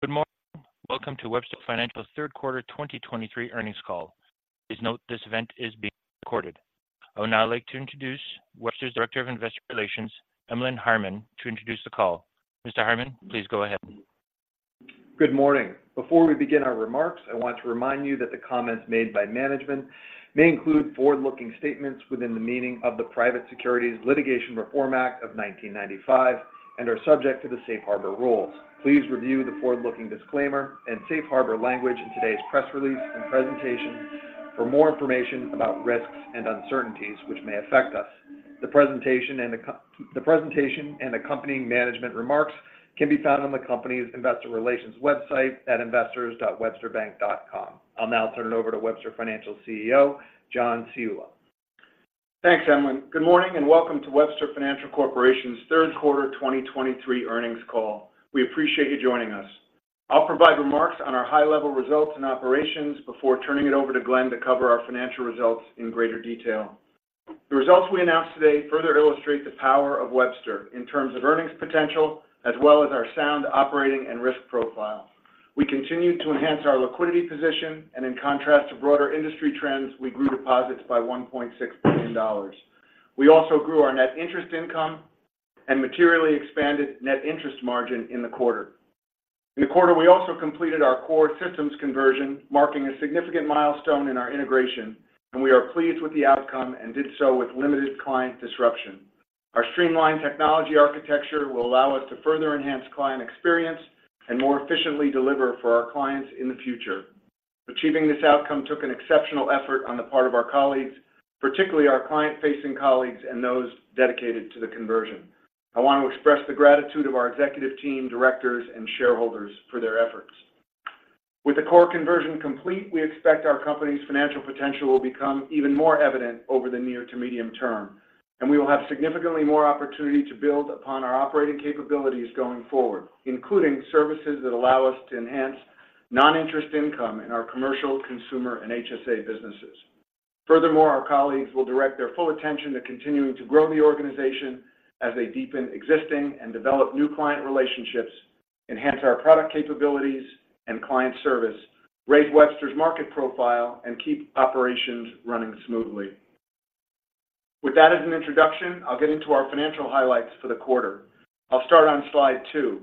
`Good morning. Welcome to Webster Financial's third quarter 2023 earnings call. Please note, this event is being recorded. I would now like to introduce Webster's Director of Investor Relations, Emlen Harmon to introduce the call. Mr. Harmon, please go ahead. Good morning. Before we begin our remarks, I want to remind you that the comments made by management may include forward-looking statements within the meaning of the Private Securities Litigation Reform Act of 1995 and are subject to the Safe Harbor rules. Please review the forward-looking disclaimer and Safe Harbor language in today's press release and presentation for more information about risks and uncertainties which may affect us. The presentation and accompanying management remarks can be found on the company's investor relations website at investors.websterbank.com. I'll now turn it over to Webster Financial's CEO, John Ciulla. Thanks, Emlen. Good morning and welcome to Webster Financial Corporation's third quarter 2023 earnings call. We appreciate you joining us. I'll provide remarks on our high-level results and operations before turning it over to Glenn to cover our financial results in greater detail. The results we announce today further illustrate the power of Webster in terms of earnings potential, as well as our sound operating and risk profile. We continue to enhance our liquidity position, and in contrast to broader industry trends, we grew deposits by $1.6 billion. We also grew our net interest income and materially expanded net interest margin in the quarter. In the quarter, we also completed our core systems conversion, marking a significant milestone in our integration, and we are pleased with the outcome and did so with limited client disruption. Our streamlined technology architecture will allow us to further enhance client experience and more efficiently deliver for our clients in the future. Achieving this outcome took an exceptional effort on the part of our colleagues, particularly our client-facing colleagues and those dedicated to the conversion. I want to express the gratitude of our executive team, directors, and shareholders for their efforts. With the core conversion complete, we expect our company's financial potential will become even more evident over the near to medium term, and we will have significantly more opportunity to build upon our operating capabilities going forward, including services that allow us to enhance non-interest income in our commercial, consumer, and HSA businesses. Furthermore, our colleagues will direct their full attention to continuing to grow the organization as they deepen existing and develop new client relationships, enhance our product capabilities and client service, raise Webster's market profile, and keep operations running smoothly. With that as an introduction, I'll get into our financial highlights for the quarter. I'll start on slide 2.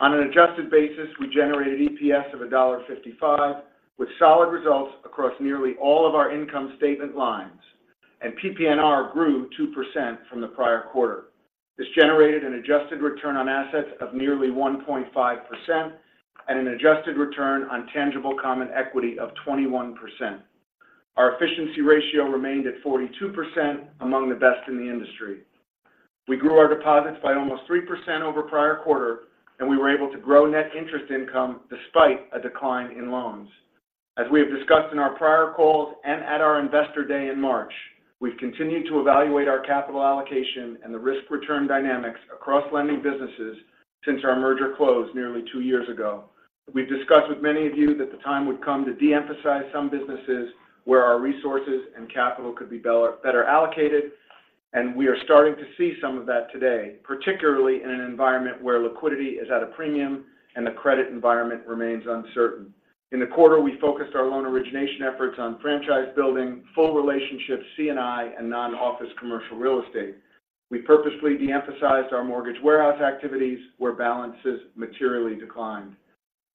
On an adjusted basis, we generated EPS of $1.55, with solid results across nearly all of our income statement lines, and PPNR grew 2% from the prior quarter. This generated an adjusted return on assets of nearly 1.5% and an adjusted return on tangible common equity of 21%. Our efficiency ratio remained at 42%, among the best in the industry. We grew our deposits by almost 3% over prior quarter, and we were able to grow net interest income despite a decline in loans. As we have discussed in our prior calls and at our Investor Day in March, we've continued to evaluate our capital allocation and the risk-return dynamics across lending businesses since our merger closed nearly two years ago. We've discussed with many of you that the time would come to de-emphasize some businesses where our resources and capital could be better allocated, and we are starting to see some of that today, particularly in an environment where liquidity is at a premium and the credit environment remains uncertain. In the quarter, we focused our loan origination efforts on franchise building, full relationship C&I, and non-office commercial real estate. We purposefully de-emphasized our mortgage warehouse activities, where balances materially declined.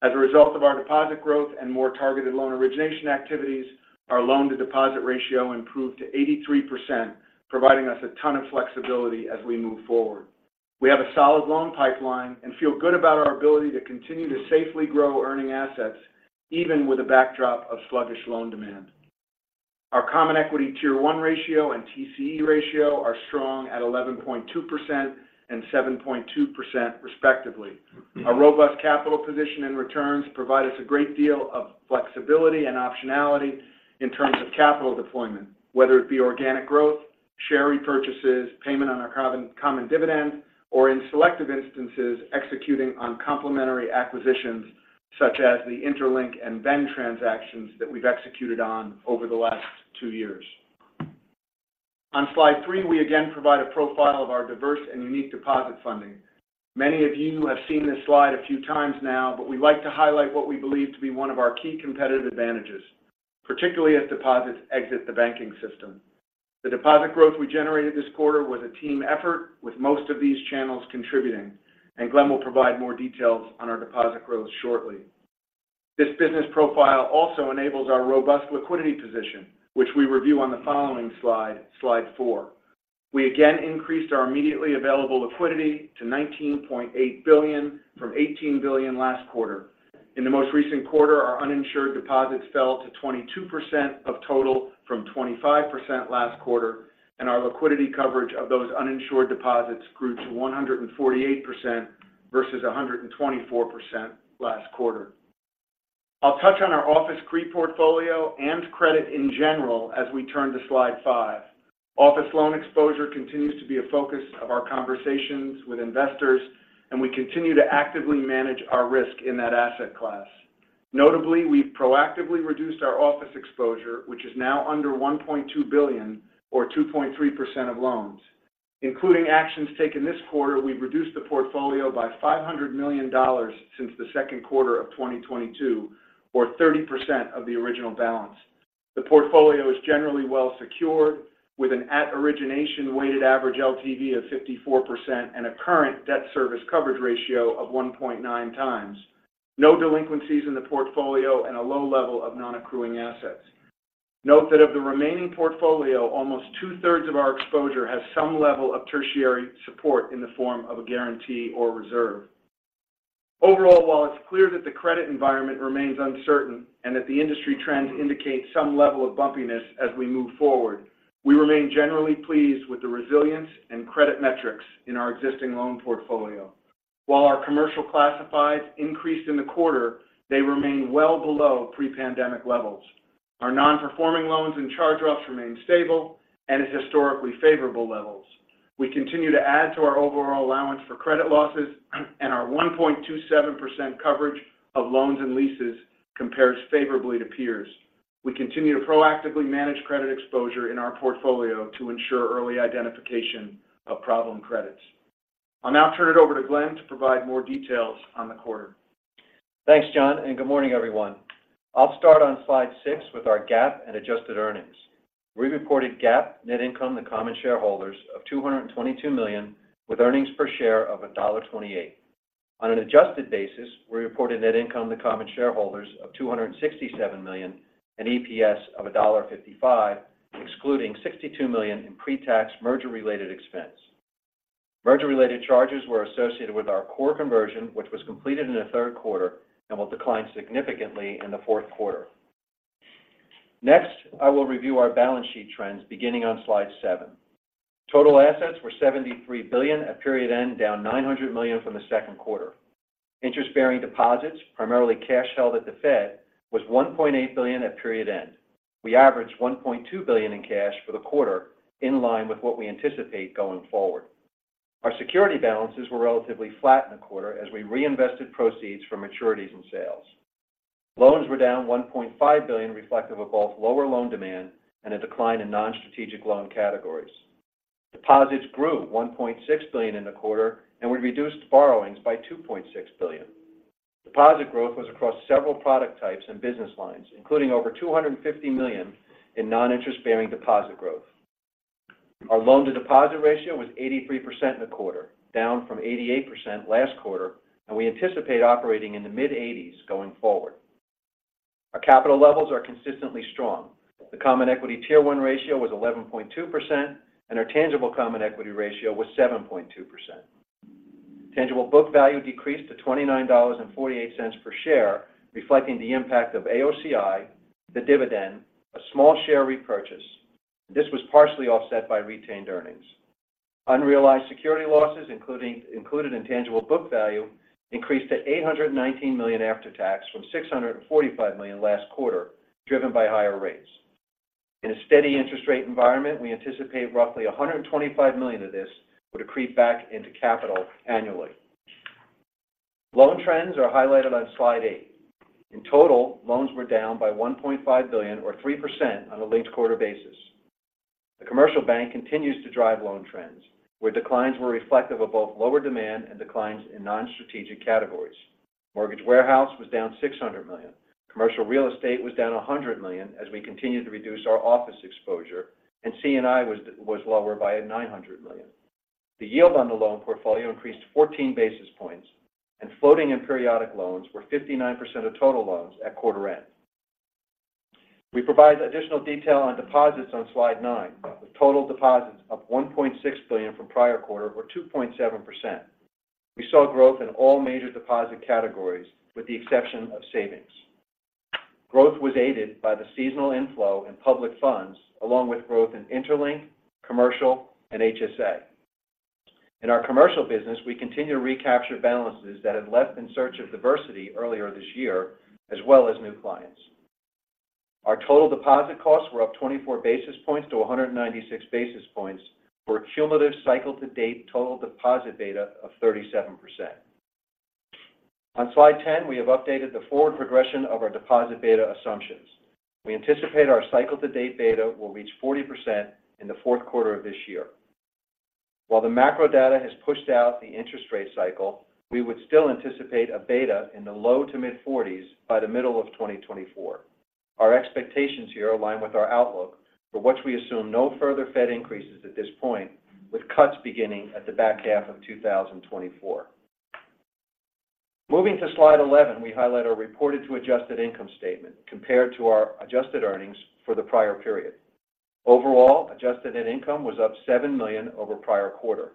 As a result of our deposit growth and more targeted loan origination activities, our loan-to-deposit ratio improved to 83%, providing us a ton of flexibility as we move forward. We have a solid loan pipeline and feel good about our ability to continue to safely grow earning assets, even with a backdrop of sluggish loan demand. Our Common Equity Tier 1 ratio and TCE ratio are strong at 11.2% and 7.2% respectively. A robust capital position and returns provide us a great deal of flexibility and optionality in terms of capital deployment, whether it be organic growth, share repurchases, payment on our common, common dividend, or in selective instances, executing on complementary acquisitions, such as the Interlink and Bend transactions that we've executed on over the last two years. On slide 3, we again provide a profile of our diverse and unique deposit funding. Many of you have seen this slide a few times now, but we like to highlight what we believe to be one of our key competitive advantages, particularly as deposits exit the banking system. The deposit growth we generated this quarter was a team effort, with most of these channels contributing, and Glenn will provide more details on our deposit growth shortly. This business profile also enables our robust liquidity position, which we review on the following slide, slide 4. We again increased our immediately available liquidity to $19.8 billion from $18 billion last quarter. In the most recent quarter, our uninsured deposits fell to 22% of total from 25% last quarter, and our liquidity coverage of those uninsured deposits grew to 148% versus 124% last quarter. I'll touch on our office CRE portfolio and credit in general as we turn to slide 5. Office loan exposure continues to be a focus of our conversations with investors, and we continue to actively manage our risk in that asset class. Notably, we've proactively reduced our office exposure, which is now under $1.2 billion or 2.3% of loans. Including actions taken this quarter, we've reduced the portfolio by $500 million since the second quarter of 2022 or 30% of the original balance. The portfolio is generally well secured, with an at origination weighted average LTV of 54% and a current debt service coverage ratio of 1.9 times. No delinquencies in the portfolio and a low level of non-accruing assets. Note that of the remaining portfolio, almost two-thirds of our exposure has some level of tertiary support in the form of a guarantee or reserve. Overall, while it's clear that the credit environment remains uncertain and that the industry trends indicate some level of bumpiness as we move forward, we remain generally pleased with the resilience and credit metrics in our existing loan portfolio. While our commercial classifieds increased in the quarter, they remain well below pre-pandemic levels. Our non-performing loans and charge-offs remain stable and at historically favorable levels. We continue to add to our overall allowance for credit losses and our 1.27% coverage of loans and leases compares favorably to peers. We continue to proactively manage credit exposure in our portfolio to ensure early identification of problem credits. I'll now turn it over to Glenn to provide more details on the quarter. Thanks, John, and good morning, everyone. I'll start on slide 6 with our GAAP and adjusted earnings. We reported GAAP net income to common shareholders of $222 million, with earnings per share of $1.28. On an adjusted basis, we reported net income to common shareholders of $267 million and EPS of $1.55, excluding $62 million in pre-tax merger-related expense. Merger-related charges were associated with our core conversion, which was completed in the third quarter and will decline significantly in the fourth quarter. Next, I will review our balance sheet trends, beginning on slide 7. Total assets were $73 billion at period end, down $900 million from the second quarter. Interest-bearing deposits, primarily cash held at the Fed, was $1.8 billion at period end. We averaged $1.2 billion in cash for the quarter, in line with what we anticipate going forward. Our security balances were relatively flat in the quarter as we reinvested proceeds from maturities and sales. Loans were down $1.5 billion, reflective of both lower loan demand and a decline in non-strategic loan categories. Deposits grew $1.6 billion in the quarter, and we reduced borrowings by $2.6 billion. Deposit growth was across several product types and business lines, including over $250 million in non-interest-bearing deposit growth. Our loan-to-deposit ratio was 83% in the quarter, down from 88% last quarter, and we anticipate operating in the mid-80s going forward. Our capital levels are consistently strong. The Common Equity Tier 1 ratio was 11.2%, and our tangible common equity ratio was 7.2%. Tangible book value decreased to $29.48 per share, reflecting the impact of AOCI, the dividend, a small share repurchase. This was partially offset by retained earnings. Unrealized security losses, included in tangible book value, increased to $819 million after tax from $645 million last quarter, driven by higher rates. In a steady interest rate environment, we anticipate roughly $125 million of this would accrete back into capital annually. Loan trends are highlighted on slide 8. In total, loans were down by $1.5 billion or 3% on a linked quarter basis. The commercial bank continues to drive loan trends, where declines were reflective of both lower demand and declines in non-strategic categories. Mortgage warehouse was down $600 million. Commercial real estate was down $100 million as we continued to reduce our office exposure, and C&I was lower by $900 million. The yield on the loan portfolio increased 14 basis points, and floating and periodic loans were 59% of total loans at quarter end. We provide additional detail on deposits on slide 9, with total deposits up $1.6 billion from prior quarter or 2.7%. We saw growth in all major deposit categories with the exception of savings. Growth was aided by the seasonal inflow in public funds, along with growth in Interlink, commercial, and HSA. In our commercial business, we continue to recapture balances that had left in search of diversity earlier this year, as well as new clients. Our total deposit costs were up 24 basis points to 196 basis points for a cumulative cycle-to-date total deposit beta of 37%. On slide 10, we have updated the forward progression of our deposit beta assumptions. We anticipate our cycle-to-date beta will reach 40% in the fourth quarter of this year. While the macro data has pushed out the interest rate cycle, we would still anticipate a beta in the low- to mid-40s by the middle of 2024. Our expectations here align with our outlook for which we assume no further Fed increases at this point, with cuts beginning at the back half of 2024. Moving to slide 11, we highlight our reported to adjusted income statement compared to our adjusted earnings for the prior period. Overall, adjusted net income was up $7 million over prior quarter.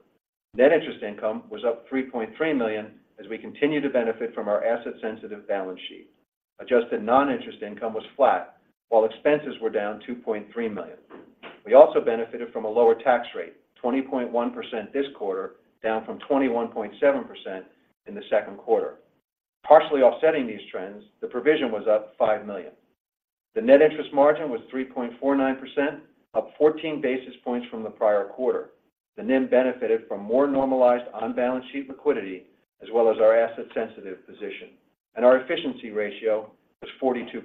Net interest income was up $3.3 million as we continue to benefit from our asset-sensitive balance sheet. Adjusted non-interest income was flat, while expenses were down $2.3 million. We also benefited from a lower tax rate, 20.1% this quarter, down from 21.7% in the second quarter. Partially offsetting these trends, the provision was up $5 million. The net interest margin was 3.49%, up 14 basis points from the prior quarter. The NIM benefited from more normalized on-balance sheet liquidity, as well as our asset-sensitive position, and our efficiency ratio was 42%.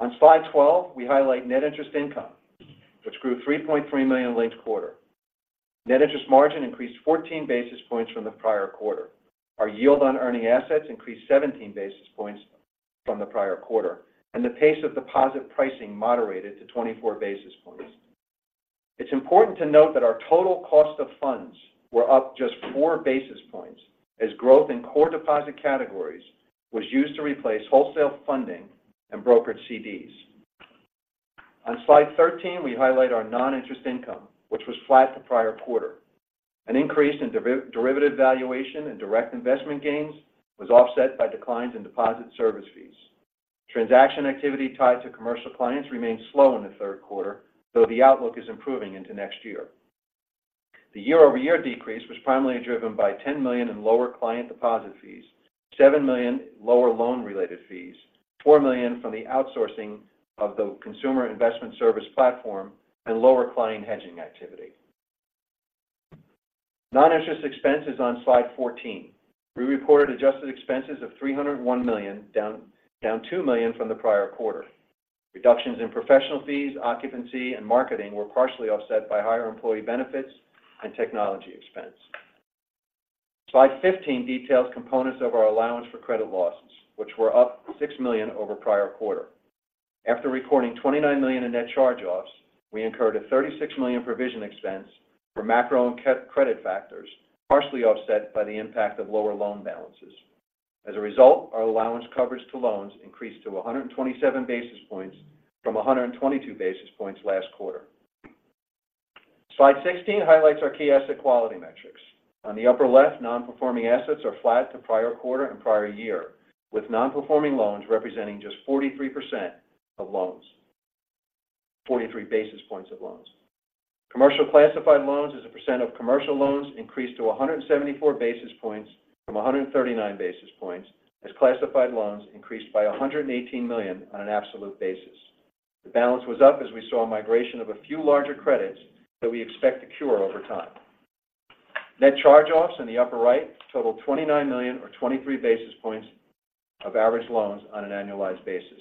On slide 12, we highlight net interest income, which grew $3.3 million linked quarter. Net interest margin increased 14 basis points from the prior quarter. Our yield on earning assets increased 17 basis points from the prior quarter, and the pace of deposit pricing moderated to 24 basis points. It's important to note that our total cost of funds were up just 4 basis points, as growth in core deposit categories was used to replace wholesale funding and brokered CDs. On slide 13, we highlight our non-interest income, which was flat to prior quarter. An increase in derivative valuation and direct investment gains was offset by declines in deposit service fees. Transaction activity tied to commercial clients remained slow in the third quarter, though the outlook is improving into next year. The year-over-year decrease was primarily driven by $10 million in lower client deposit fees, $7 million lower loan-related fees, $4 million from the outsourcing of the consumer investment service platform, and lower client hedging activity. Non-interest expense is on slide 14. We reported adjusted expenses of $301 million, down $2 million from the prior quarter. Reductions in professional fees, occupancy, and marketing were partially offset by higher employee benefits and technology expense. Slide 15 details components of our allowance for credit losses, which were up $6 million over prior quarter. After recording $29 million in net charge-offs, we incurred a $36 million provision expense for macro and credit factors, partially offset by the impact of lower loan balances. As a result, our allowance coverage to loans increased to 127 basis points from 122 basis points last quarter. Slide 16 highlights our key asset quality metrics. On the upper left, non-performing assets are flat to prior quarter and prior year, with non-performing loans representing just 43% of loans, 43 basis points of loans. Commercial classified loans as a percent of commercial loans increased to 174 basis points from 139 basis points, as classified loans increased by $118 million on an absolute basis. The balance was up as we saw a migration of a few larger credits that we expect to cure over time. Net charge-offs in the upper right totaled $29 million or 23 basis points of average loans on an annualized basis.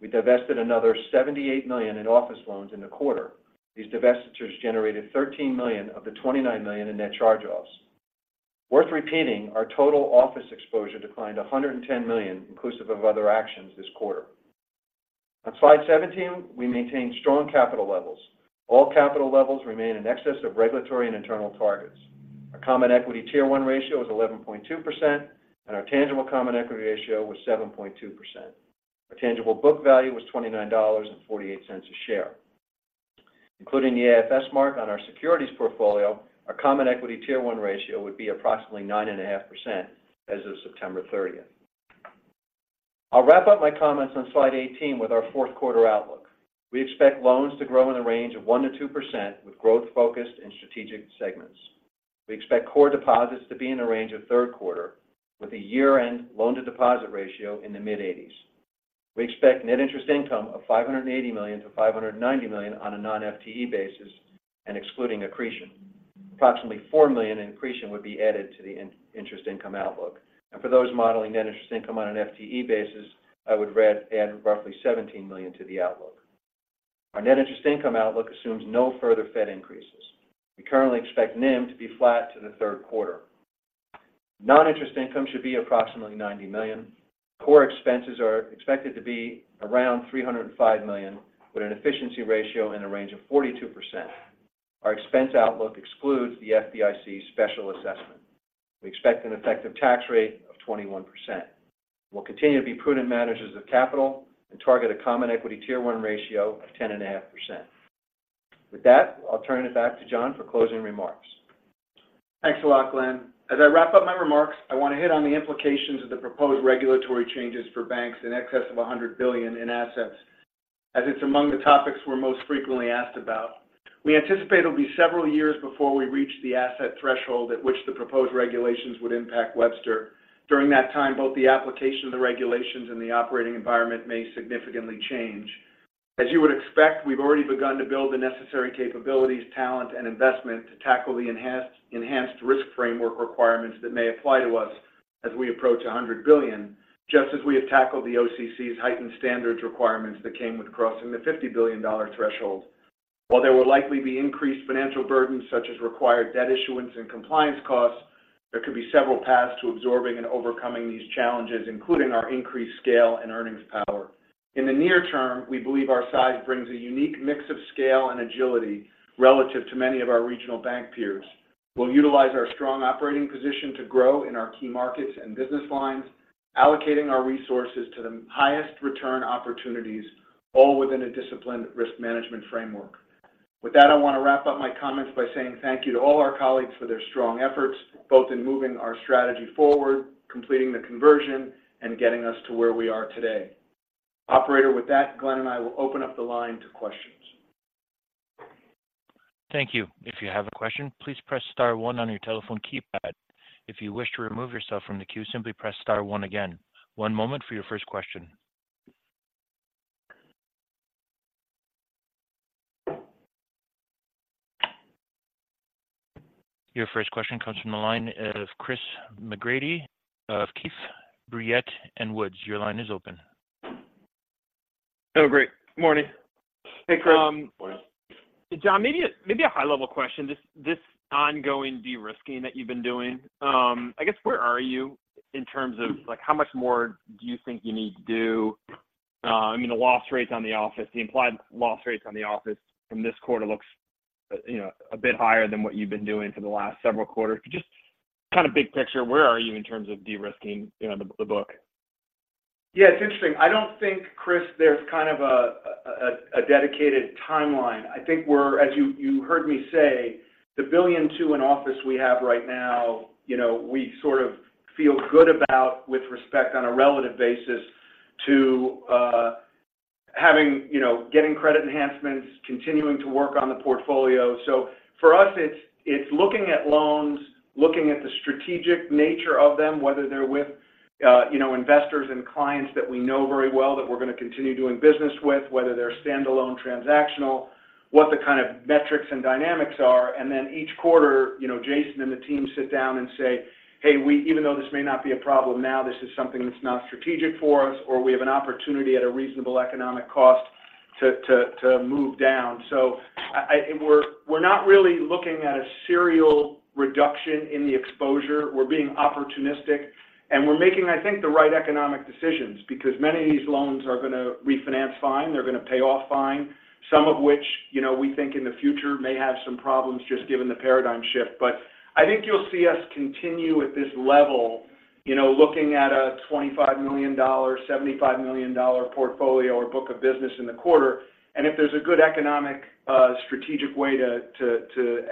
We divested another $78 million in office loans in the quarter. These divestitures generated $13 million of the $29 million in net charge-offs. Worth repeating, our total office exposure declined $110 million, inclusive of other actions this quarter. On slide 17, we maintained strong capital levels. All capital levels remain in excess of regulatory and internal targets. Our common equity Tier 1 ratio is 11.2%, and our tangible common equity ratio was 7.2%. Our tangible book value was $29.48 a share. Including the AFS mark on our securities portfolio, our common equity Tier 1 ratio would be approximately 9.5% as of September 30th. I'll wrap up my comments on slide 18 with our fourth quarter outlook. We expect loans to grow in the range of 1%-2%, with growth focused in strategic segments. We expect core deposits to be in the range of third quarter, with a year-end loan-to-deposit ratio in the mid-80s. We expect net interest income of $580 million-$590 million on a non-FTE basis and excluding accretion. Approximately $4 million in accretion would be added to the interest income outlook. For those modeling net interest income on an FTE basis, I would read, add roughly $17 million to the outlook. Our net interest income outlook assumes no further Fed increases. We currently expect NIM to be flat to the third quarter. Non-interest income should be approximately $90 million. Core expenses are expected to be around $305 million, with an efficiency ratio in the range of 42%. Our expense outlook excludes the FDIC special assessment. We expect an effective tax rate of 21%. We'll continue to be prudent managers of capital and target a Common Equity Tier 1 ratio of 10.5%. With that, I'll turn it back to John for closing remarks. Thanks a lot, Glenn. As I wrap up my remarks, I want to hit on the implications of the proposed regulatory changes for banks in excess of $100 billion in assets, as it's among the topics we're most frequently asked about. We anticipate it'll be several years before we reach the asset threshold at which the proposed regulations would impact Webster. During that time, both the application of the regulations and the operating environment may significantly change. As you would expect, we've already begun to build the necessary capabilities, talent, and investment to tackle the enhanced, enhanced risk framework requirements that may apply to us as we approach $100 billion, just as we have tackled the OCC's heightened standards requirements that came with crossing the $50 billion threshold. While there will likely be increased financial burdens, such as required debt issuance and compliance costs, there could be several paths to absorbing and overcoming these challenges, including our increased scale and earnings power. In the near term, we believe our size brings a unique mix of scale and agility relative to many of our regional bank peers. We'll utilize our strong operating position to grow in our key markets and business lines, allocating our resources to the highest return opportunities, all within a disciplined risk management framework. With that, I want to wrap up my comments by saying thank you to all our colleagues for their strong efforts, both in moving our strategy forward, completing the conversion, and getting us to where we are today. Operator, with that, Glenn and I will open up the line to questions. .Thank you. If you have a question, please press star one on your telephone keypad. If you wish to remove yourself from the queue, simply press star one again. One moment for your first question. Your first question comes from the line of Chris McGratty of Keefe, Bruyette & Woods. Your line is open. Oh, great. Morning. Hey, Chris. Good morning. John, maybe a high-level question. This ongoing de-risking that you've been doing, I guess, where are you in terms of, like, how much more do you think you need to do? I mean, the loss rates on the office, the implied loss rates on the office from this quarter looks, you know, a bit higher than what you've been doing for the last several quarters. Just kind of big picture, where are you in terms of de-risking, you know, the, the book? Yeah, it's interesting. I don't think, Chris, there's kind of a dedicated timeline. I think we're, as you heard me say, the $1.2 billion in office we have right now, you know, we sort of feel good about with respect on a relative basis to having, you know, getting credit enhancements, continuing to work on the portfolio. So for us, it's looking at loans, looking at the strategic nature of them, whether they're with, you know, investors and clients that we know very well that we're going to continue doing business with, whether they're standalone transactional, what the kind of metrics and dynamics are. And then each quarter, you know, Jason and the team sit down and say, "Hey, we—even though this may not be a problem now, this is something that's not strategic for us, or we have an opportunity at a reasonable economic cost to, to, to move down." So I, I—we're, we're not really looking at a serial reduction in the exposure. We're being opportunistic, and we're making, I think, the right economic decisions because many of these loans are going to refinance fine, they're going to pay off fine. Some of which, you know, we think in the future may have some problems just given the paradigm shift. But I think you'll see us continue at this level, you know, looking at a $25 million-$75 million portfolio or book of business in the quarter. If there's a good economic, strategic way to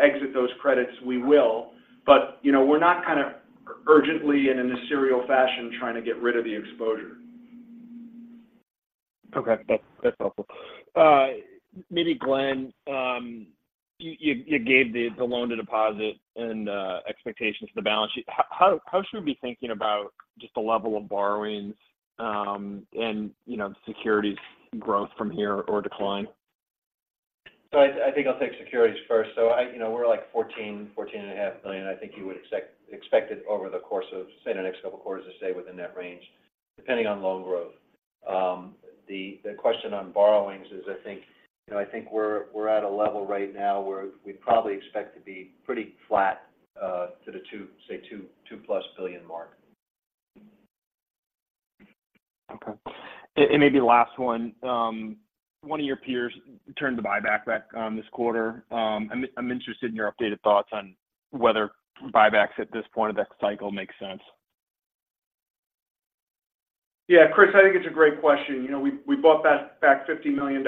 exit those credits, we will. But, you know, we're not kind of urgently and in a serial fashion trying to get rid of the exposure. Okay. That's, that's helpful. Maybe, Glenn, you gave the loan to deposit and expectations for the balance sheet. How should we be thinking about just the level of borrowings, and, you know, securities growth from here or decline? So I, I think I'll take securities first. So I—you know, we're like $14.5 million. I think you would expect, expect it over the course of, say, the next couple of quarters to stay within that range, depending on loan growth. The, the question on borrowings is, I think, you know, I think we're, we're at a level right now where we probably expect to be pretty flat to the $2, say $2+ billion mark. Okay. And maybe the last one. One of your peers turned the buyback back this quarter. I'm interested in your updated thoughts on whether buybacks at this point of the cycle makes sense. Yeah, Chris, I think it's a great question. You know, we bought back $50 million in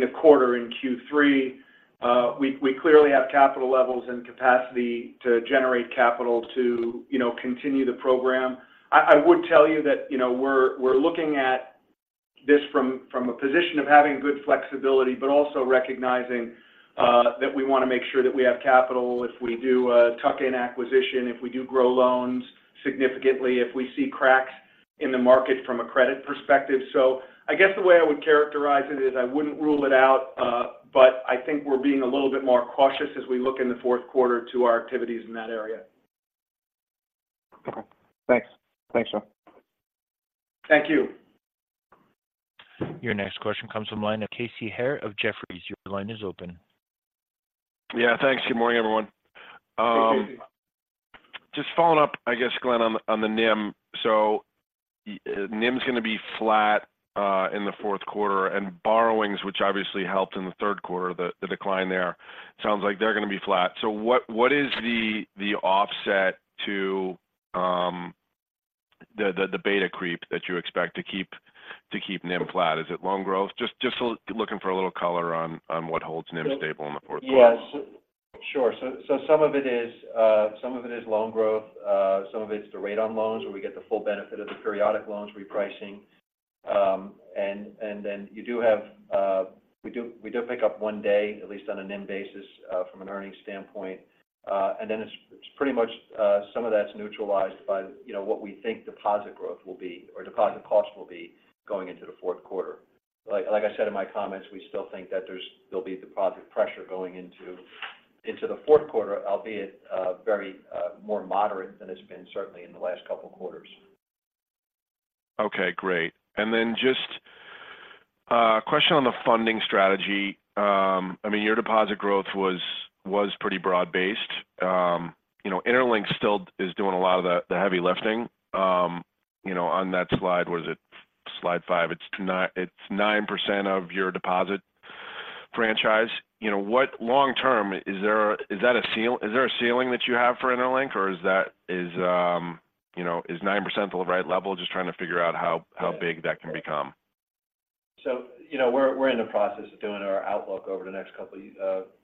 the quarter in Q3. We clearly have capital levels and capacity to generate capital to, you know, continue the program. I would tell you that, you know, we're looking at this from a position of having good flexibility, but also recognizing that we want to make sure that we have capital if we do a tuck-in acquisition, if we do grow loans significantly, if we see cracks in the market from a credit perspective. So I guess the way I would characterize it is I wouldn't rule it out, but I think we're being a little bit more cautious as we look in the fourth quarter to our activities in that area. Okay. Thanks. Thanks, John. Thank you. Your next question comes from the line of Casey Haire of Jefferies. Your line is open. Yeah, thanks. Good morning, everyone. Hey, Casey. Just following up, I guess, Glenn, on the NIM. So NIM is going to be flat in the fourth quarter, and borrowings, which obviously helped in the third quarter, the decline there, sounds like they're going to be flat. So what is the offset to the beta creep that you expect to keep NIM flat? Is it loan growth? Just looking for a little color on what holds NIM stable in the fourth quarter. Yes, sure. So, some of it is loan growth, some of it's the rate on loans, where we get the full benefit of the periodic loans repricing. And then you do have, we do pick up one day, at least on a NIM basis, from an earnings standpoint. And then it's pretty much some of that's neutralized by, you know, what we think deposit growth will be or deposit cost will be going into the fourth quarter. Like I said in my comments, we still think that there'll be deposit pressure going into the fourth quarter, albeit very more moderate than it's been, certainly in the last couple of quarters. Okay, great. And then just a question on the funding strategy. I mean, your deposit growth was pretty broad-based. You know, Interlink still is doing a lot of the heavy lifting. You know, on that slide, what is it? Slide 5, it's 9% of your deposit franchise. You know, long term, is there a ceiling that you have for Interlink, or is that, you know, is 9% the right level? Just trying to figure out how big that can become. So, you know, we're in the process of doing our outlook over the next couple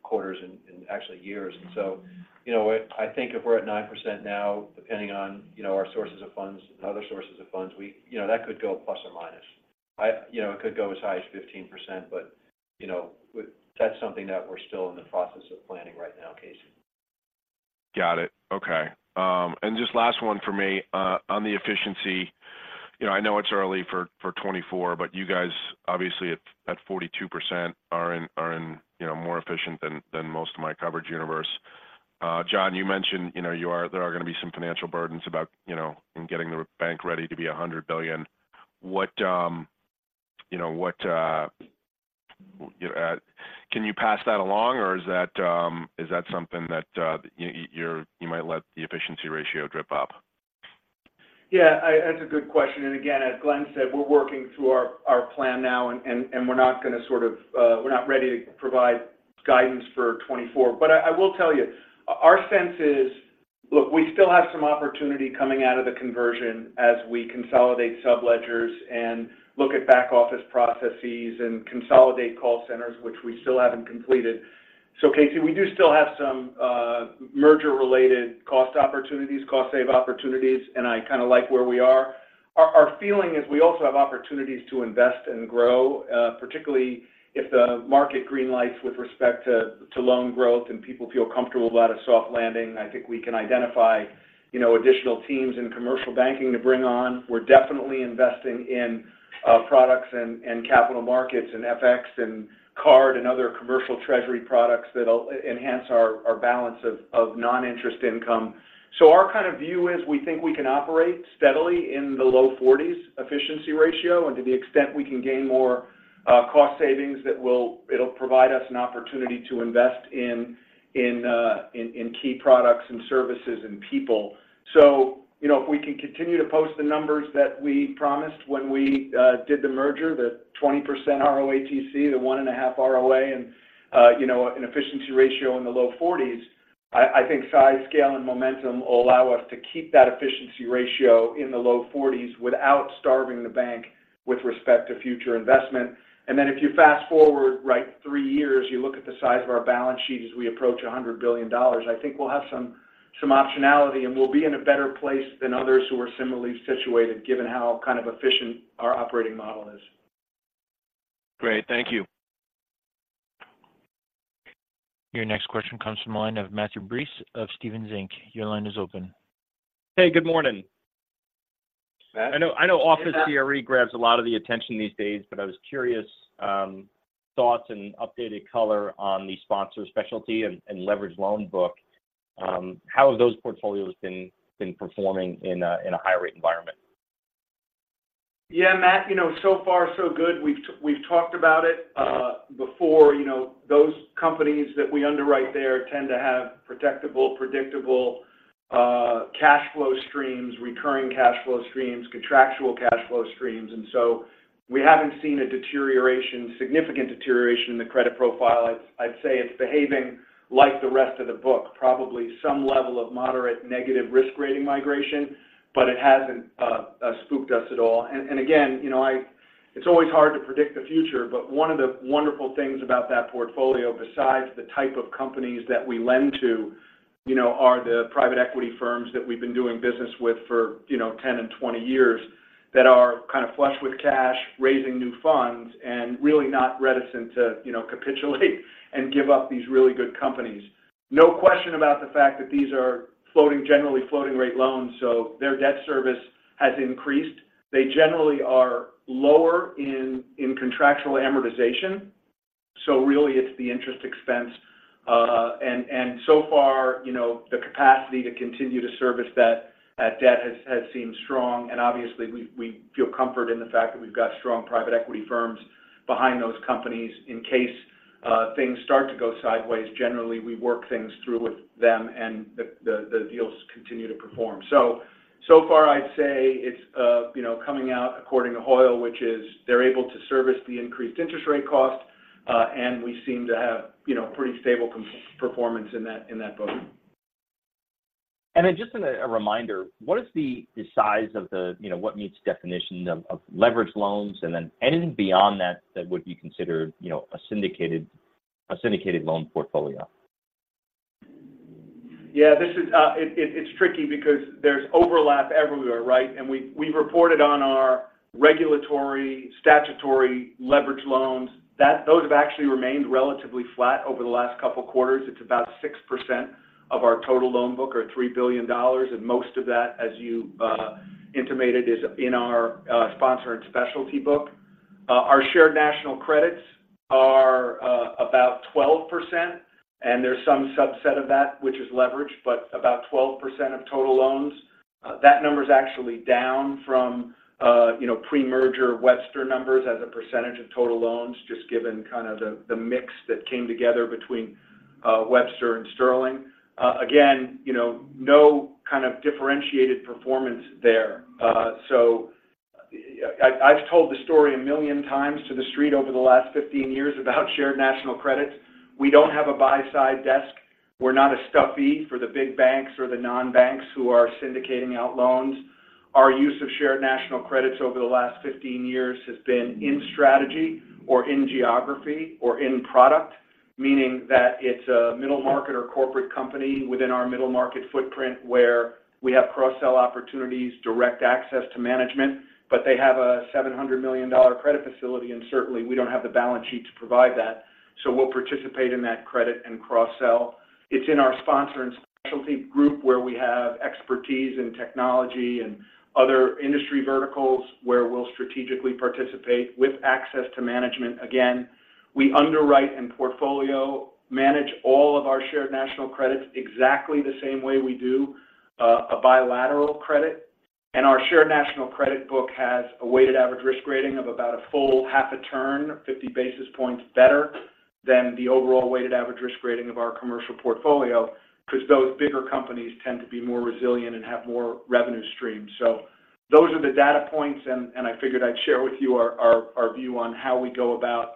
quarters and actually years. And so, you know, I think if we're at 9% now, depending on, you know, our sources of funds and other sources of funds, you know, that could go plus or minus. I, you know, it could go as high as 15%, but, you know, that's something that we're still in the process of planning right now, Casey. Got it. Okay. And just last one for me on the efficiency. You know, I know it's early for 2024, but you guys, obviously, at 42% are in, you know, more efficient than most of my coverage universe. John, you mentioned, you know, there are going to be some financial burdens about, you know, in getting the bank ready to be $100 billion. What, you know, what can you pass that along, or is that something that, you, you might let the efficiency ratio drip up? Yeah, that's a good question. And again, as Glenn said, we're working through our plan now, and we're not ready to provide guidance for 2024. But I will tell you, our sense is—look, we still have some opportunity coming out of the conversion as we consolidate subledgers and look at back-office processes and consolidate call centers, which we still haven't completed. So Casey, we do still have some merger-related cost opportunities, cost save opportunities, and I kind of like where we are. Our feeling is we also have opportunities to invest and grow, particularly if the market green lights with respect to loan growth and people feel comfortable about a soft landing. I think we can identify, you know, additional teams in commercial banking to bring on. We're definitely investing in products and capital markets and FX and card and other commercial treasury products that'll enhance our balance of non-interest income. So our kind of view is we think we can operate steadily in the low 40s efficiency ratio. And to the extent we can gain more cost savings, that'll provide us an opportunity to invest in key products and services and people. So, you know, if we can continue to post the numbers that we promised when we did the merger, the 20% ROATC, the 1.5 ROA, and, you know, an efficiency ratio in the low 40s, I think size, scale, and momentum will allow us to keep that efficiency ratio in the low 40s without starving the bank with respect to future investment. And then if you fast-forward, like three years, you look at the size of our balance sheet as we approach $100 billion, I think we'll have some, some optionality, and we'll be in a better place than others who are similarly situated, given how kind of efficient our operating model is. Great. Thank you. Your next question comes from the line of Matthew Breese of Stephens Inc. Your line is open. Hey, good morning. Matt- I know, I know office CRE grabs a lot of the attention these days, but I was curious, thoughts and updated color on the sponsor specialty and leverage loan book. How have those portfolios been performing in a high rate environment? Yeah, Matt, you know, so far so good. We've talked about it before. You know, those companies that we underwrite there tend to have protectable, predictable cash flow streams, recurring cash flow streams, contractual cash flow streams. And so we haven't seen a deterioration, significant deterioration in the credit profile. I'd say it's behaving like the rest of the book, probably some level of moderate negative risk rating migration, but it hasn't spooked us at all. Again, you know, it's always hard to predict the future, but one of the wonderful things about that portfolio, besides the type of companies that we lend to, you know, are the private equity firms that we've been doing business with for, you know, 10 and 20 years, that are kind of flush with cash, raising new funds, and really not reticent to, you know, capitulate and give up these really good companies. No question about the fact that these are floating, generally floating rate loans, so their debt service has increased. They generally are lower in contractual amortization, so really it's the interest expense. And so far, you know, the capacity to continue to service that debt has seemed strong. Obviously, we feel comfort in the fact that we've got strong private equity firms behind those companies in case things start to go sideways. Generally, we work things through with them, and the deals continue to perform. So far, I'd say it's, you know, coming out according to Hoyle, which is they're able to service the increased interest rate cost, and we seem to have, you know, pretty stable constant performance in that book. And then just a reminder, what is the size of the, you know, what meets definition of leveraged loans, and then anything beyond that that would be considered, you know, a syndicated loan portfolio? Yeah, this is it, it's tricky because there's overlap everywhere, right? And we've reported on our regulatory, statutory leverage loans. Those have actually remained relatively flat over the last couple quarters. It's about 6% of our total loan book or $3 billion, and most of that, as you intimated, is in our sponsor and specialty book. Our shared national credits are about 12%, and there's some subset of that which is leveraged, but about 12% of total loans. That number is actually down from, you know, pre-merger Webster numbers as a percentage of total loans, just given kind of the mix that came together between Webster and Sterling. Again, you know, no kind of differentiated performance there. So I've told the story a million times to the street over the last 15 years about shared national credits. We don't have a buy-side desk. We're not a stuffer for the big banks or the non-banks who are syndicating out loans. Our use of shared national credits over the last 15 years has been in strategy or in geography or in product, meaning that it's a middle market or corporate company within our middle market footprint where we have cross-sell opportunities, direct access to management. But they have a $700 million credit facility, and certainly, we don't have the balance sheet to provide that, so we'll participate in that credit and cross-sell. It's in our sponsor and specialty group, where we have expertise in technology and other industry verticals, where we'll strategically participate with access to management. Again, we underwrite and portfolio manage all of our Shared National Credits exactly the same way we do a bilateral credit. And our Shared National Credit book has a weighted average risk rating of about a full half a turn, 50 basis points better than the overall weighted average risk rating of our commercial portfolio, because those bigger companies tend to be more resilient and have more revenue streams. So those are the data points, and I figured I'd share with you our view on how we go about,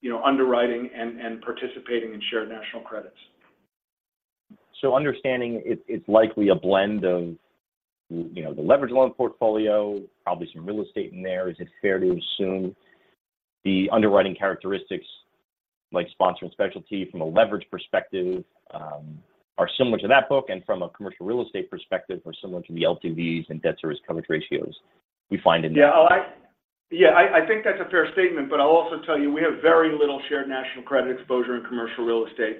you know, underwriting and participating in Shared National Credits. So understanding it, it's likely a blend of, you know, the leverage loan portfolio, probably some real estate in there. Is it fair to assume the underwriting characteristics, like sponsor and specialty from a leverage perspective, are similar to that book, and from a commercial real estate perspective, are similar to the LTVs and debt service coverage ratios we find in there? Yeah, yeah, I think that's a fair statement, but I'll also tell you, we have very little Shared National Credit exposure in Commercial Real Estate.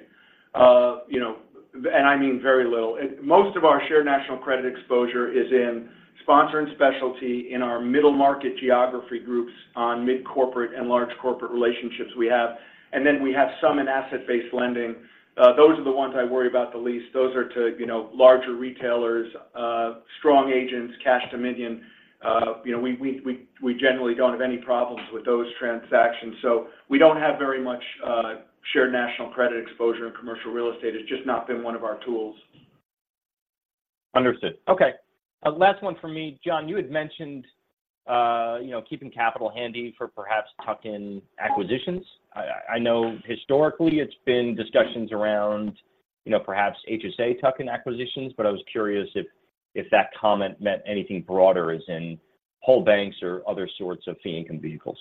You know, and I mean very little. And most of our Shared National Credit exposure is in sponsor and specialty in our middle market geography groups on mid corporate and large corporate relationships we have. And then we have some in Asset-Based Lending. Those are the ones I worry about the least. Those are to, you know, larger retailers, strong agents, cash dominion. You know, we generally don't have any problems with those transactions. So we don't have very much Shared National Credit exposure in Commercial Real Estate. It's just not been one of our tools. Understood. Okay. Last one for me. John, you had mentioned, you know, keeping capital handy for perhaps tuck-in acquisitions. I know historically it's been discussions around, you know, perhaps HSA tuck-in acquisitions, but I was curious if that comment meant anything broader as in whole banks or other sorts of fee income vehicles.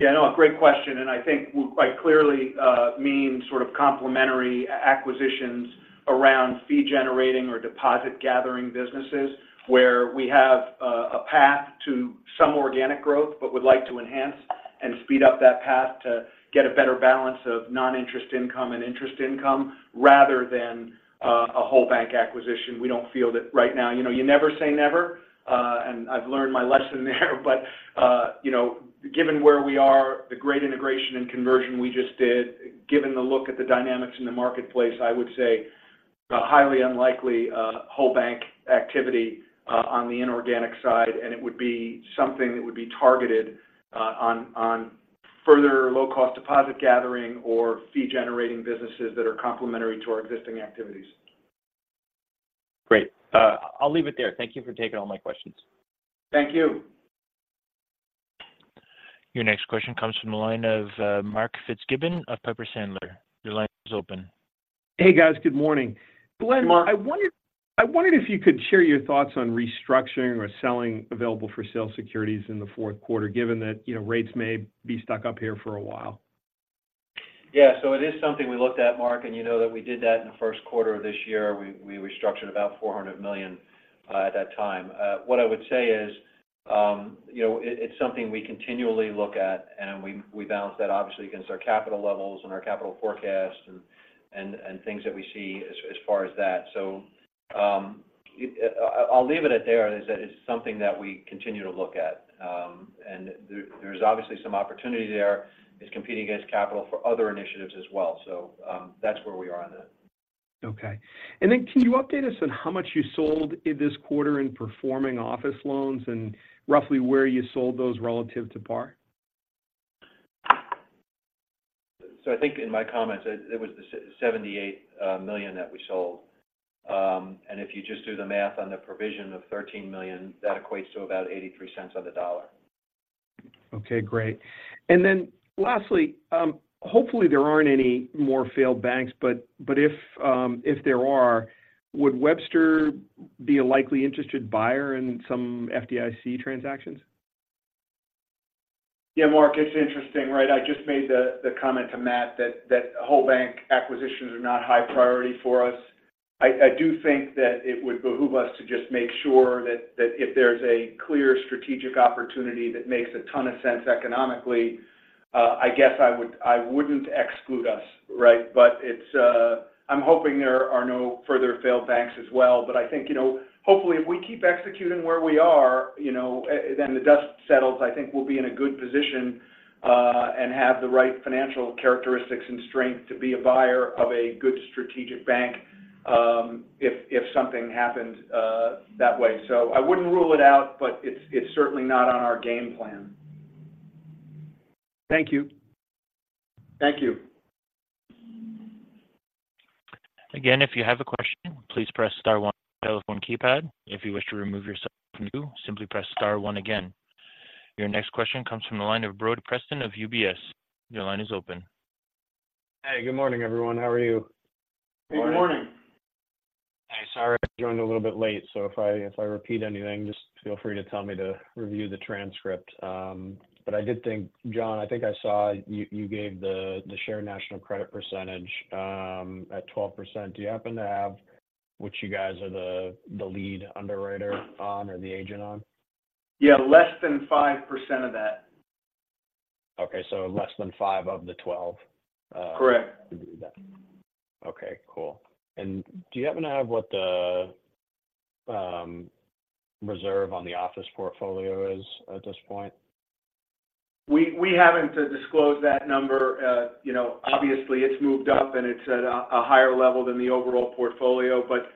Yeah, no, a great question, and I think we quite clearly mean sort of complementary acquisitions around fee-generating or deposit-gathering businesses, where we have a path to some organic growth but would like to enhance and speed up that path to get a better balance of non-interest income and interest income rather than a whole bank acquisition. We don't feel that right now. You know, you never say never, and I've learned my lesson there. But, you know, given where we are, the great integration and conversion we just did, given the look at the dynamics in the marketplace, I would say a highly unlikely whole bank activity on the inorganic side, and it would be something that would be targeted on further low-cost deposit gathering or fee-generating businesses that are complementary to our existing activities. Great. I'll leave it there. Thank you for taking all my questions. Thank you. Your next question comes from the line of Mark Fitzgibbon of Piper Sandler. Your line is open. Hey, guys. Good morning. Good morning. Glenn, I wondered if you could share your thoughts on restructuring or selling available for sale securities in the fourth quarter, given that, you know, rates may be stuck up here for a while. Yeah. So it is something we looked at, Mark, and you know that we did that in the first quarter of this year. We restructured about $400 million at that time. What I would say is, you know, it's something we continually look at, and we balance that obviously against our capital levels and our capital forecast and things that we see as far as that. So, I'll leave it at there, is that it's something that we continue to look at. And there's obviously some opportunity there. It's competing against capital for other initiatives as well. So, that's where we are on that. Okay. And then can you update us on how much you sold in this quarter in performing office loans and roughly where you sold those relative to par? So I think in my comments, it was the $78 million that we sold. And if you just do the math on the provision of $13 million, that equates to about $0.83 on the dollar. Okay, great. And then lastly, hopefully, there aren't any more failed banks, but if there are, would Webster be a likely interested buyer in some FDIC transactions? Yeah, Mark, it's interesting, right? I just made the comment to Matt that whole bank acquisitions are not high priority for us. I do think that it would behoove us to just make sure that if there's a clear strategic opportunity that makes a ton of sense economically, I guess I would—I wouldn't exclude us, right? But it's. I'm hoping there are no further failed banks as well. But I think, you know, hopefully, if we keep executing where we are, you know, then the dust settles, I think we'll be in a good position, and have the right financial characteristics and strength to be a buyer of a good strategic bank, if something happens that way. So I wouldn't rule it out, but it's certainly not on our game plan. Thank you. Thank you. Again, if you have a question, please press star one on your telephone keypad. If you wish to remove yourself from queue, simply press star one again. Your next question comes from the line of Brody Preston of UBS. Your line is open. Hey, good morning, everyone. How are you? Good morning. Hey, sorry, I joined a little bit late, so if I repeat anything, just feel free to tell me to review the transcript. But I did think, John, I think I saw you gave the Shared National Credit percentage at 12%. Do you happen to have which you guys are the lead underwriter on or the agent on? Yeah, less than 5% of that. Okay, less than five of the 12, Correct. To do that. Okay, cool. And do you happen to have what the reserve on the office portfolio is at this point? We haven't disclosed that number. You know, obviously, it's moved up, and it's at a higher level than the overall portfolio, but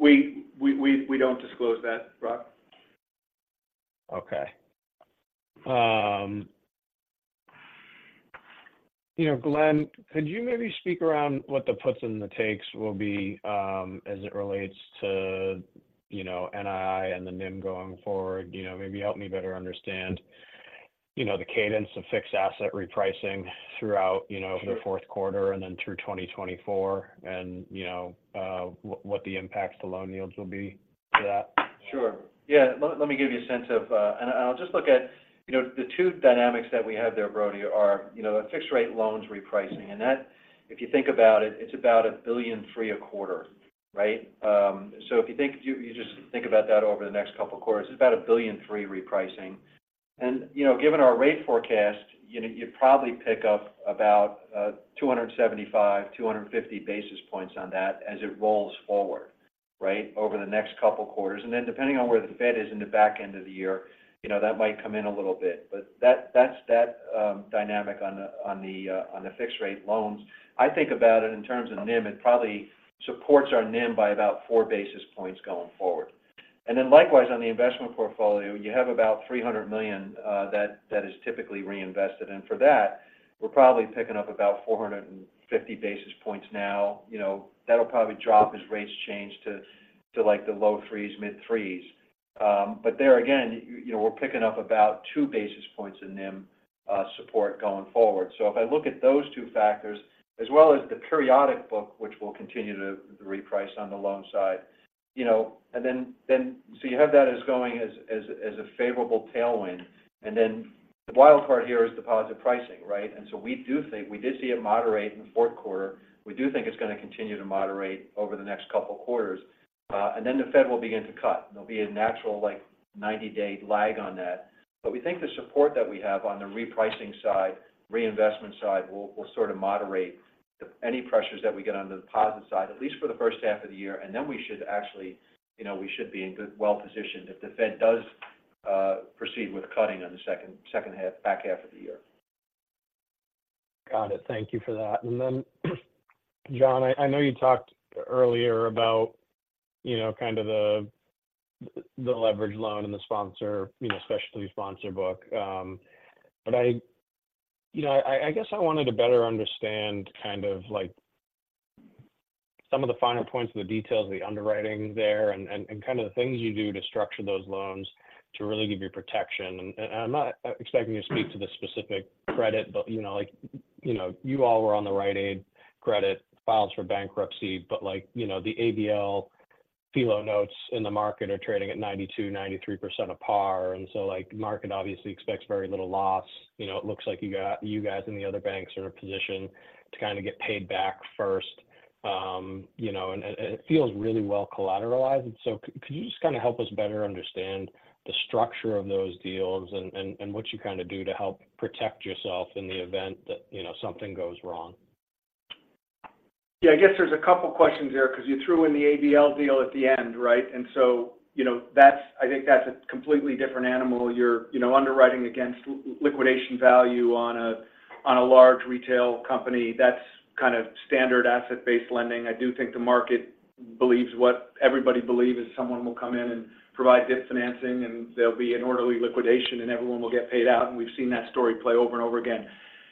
we don't disclose that, Brody. Okay. You know, Glenn, could you maybe speak around what the puts and the takes will be, as it relates to, you know, NII and the NIM going forward? You know, maybe help me better understand, you know, the cadence of fixed asset repricing throughout, you know- Sure... the fourth quarter and then through 2024, and, you know, what, what the impacts to loan yields will be to that? Sure. Yeah. Let me give you a sense of, and I'll just look at, you know, the two dynamics that we have there, Brody, are, you know, the fixed-rate loans repricing. And that, if you think about it, it's about $1.3 billion a quarter, right? So if you think you just think about that over the next couple of quarters, it's about $1.3 billion repricing. And, you know, given our rate forecast, you know, you'd probably pick up about 275, 250 basis points on that as it rolls forward, right? Over the next couple quarters. And then, depending on where the Fed is in the back end of the year, you know, that might come in a little bit. But that's that dynamic on the fixed-rate loans. I think about it in terms of NIM. It probably supports our NIM by about 4 basis points going forward. And then likewise, on the investment portfolio, you have about $300 million that is typically reinvested. And for that, we're probably picking up about 450 basis points now. You know, that'll probably drop as rates change to, like, the low 3s, mid-3s. But there again, you know, we're picking up about two basis points in NIM support going forward. So if I look at those two factors, as well as the periodic book, which will continue to reprice on the loan side, you know, and then so you have that as going as, as, as a favorable tailwind. And then the wild card here is deposit pricing, right? We do think we did see it moderate in the fourth quarter. We do think it's going to continue to moderate over the next couple of quarters, and then the Fed will begin to cut. There'll be a natural, like, 90-day lag on that. But we think the support that we have on the repricing side, reinvestment side, will, will sort of moderate any pressures that we get on the deposit side, at least for the first half of the year. And then we should actually, you know, we should be in good- well-positioned if the Fed does proceed with cutting on the second, second half, back half of the year. Got it. Thank you for that. And then, John, I know you talked earlier about, you know, kind of the leveraged loan and the sponsor, you know, specialty sponsor book. But you know, I guess I wanted to better understand kind of like some of the finer points of the details of the underwriting there and kind of the things you do to structure those loans to really give you protection. And I'm not expecting you to speak to the specific credit, but you know, like, you know, you all were on the Rite Aid credit, filed for bankruptcy, but like, you know, the ABL first lien notes in the market are trading at 92%-93% of par. And so, like, market obviously expects very little loss. You know, it looks like you guys and the other banks are in a position to kind of get paid back first. You know, and it feels really well collateralized. And so could you just kind of help us better understand the structure of those deals and what you kind of do to help protect yourself in the event that, you know, something goes wrong? Yeah, I guess there's a couple of questions there because you threw in the ABL deal at the end, right? And so, you know, that's. I think that's a completely different animal. You're, you know, underwriting against liquidation value on a large retail company. That's kind of standard asset-based lending. I do think the market believes what everybody believes, is someone will come in and provide debt financing, and there'll be an orderly liquidation, and everyone will get paid out. And we've seen that story play over and over again.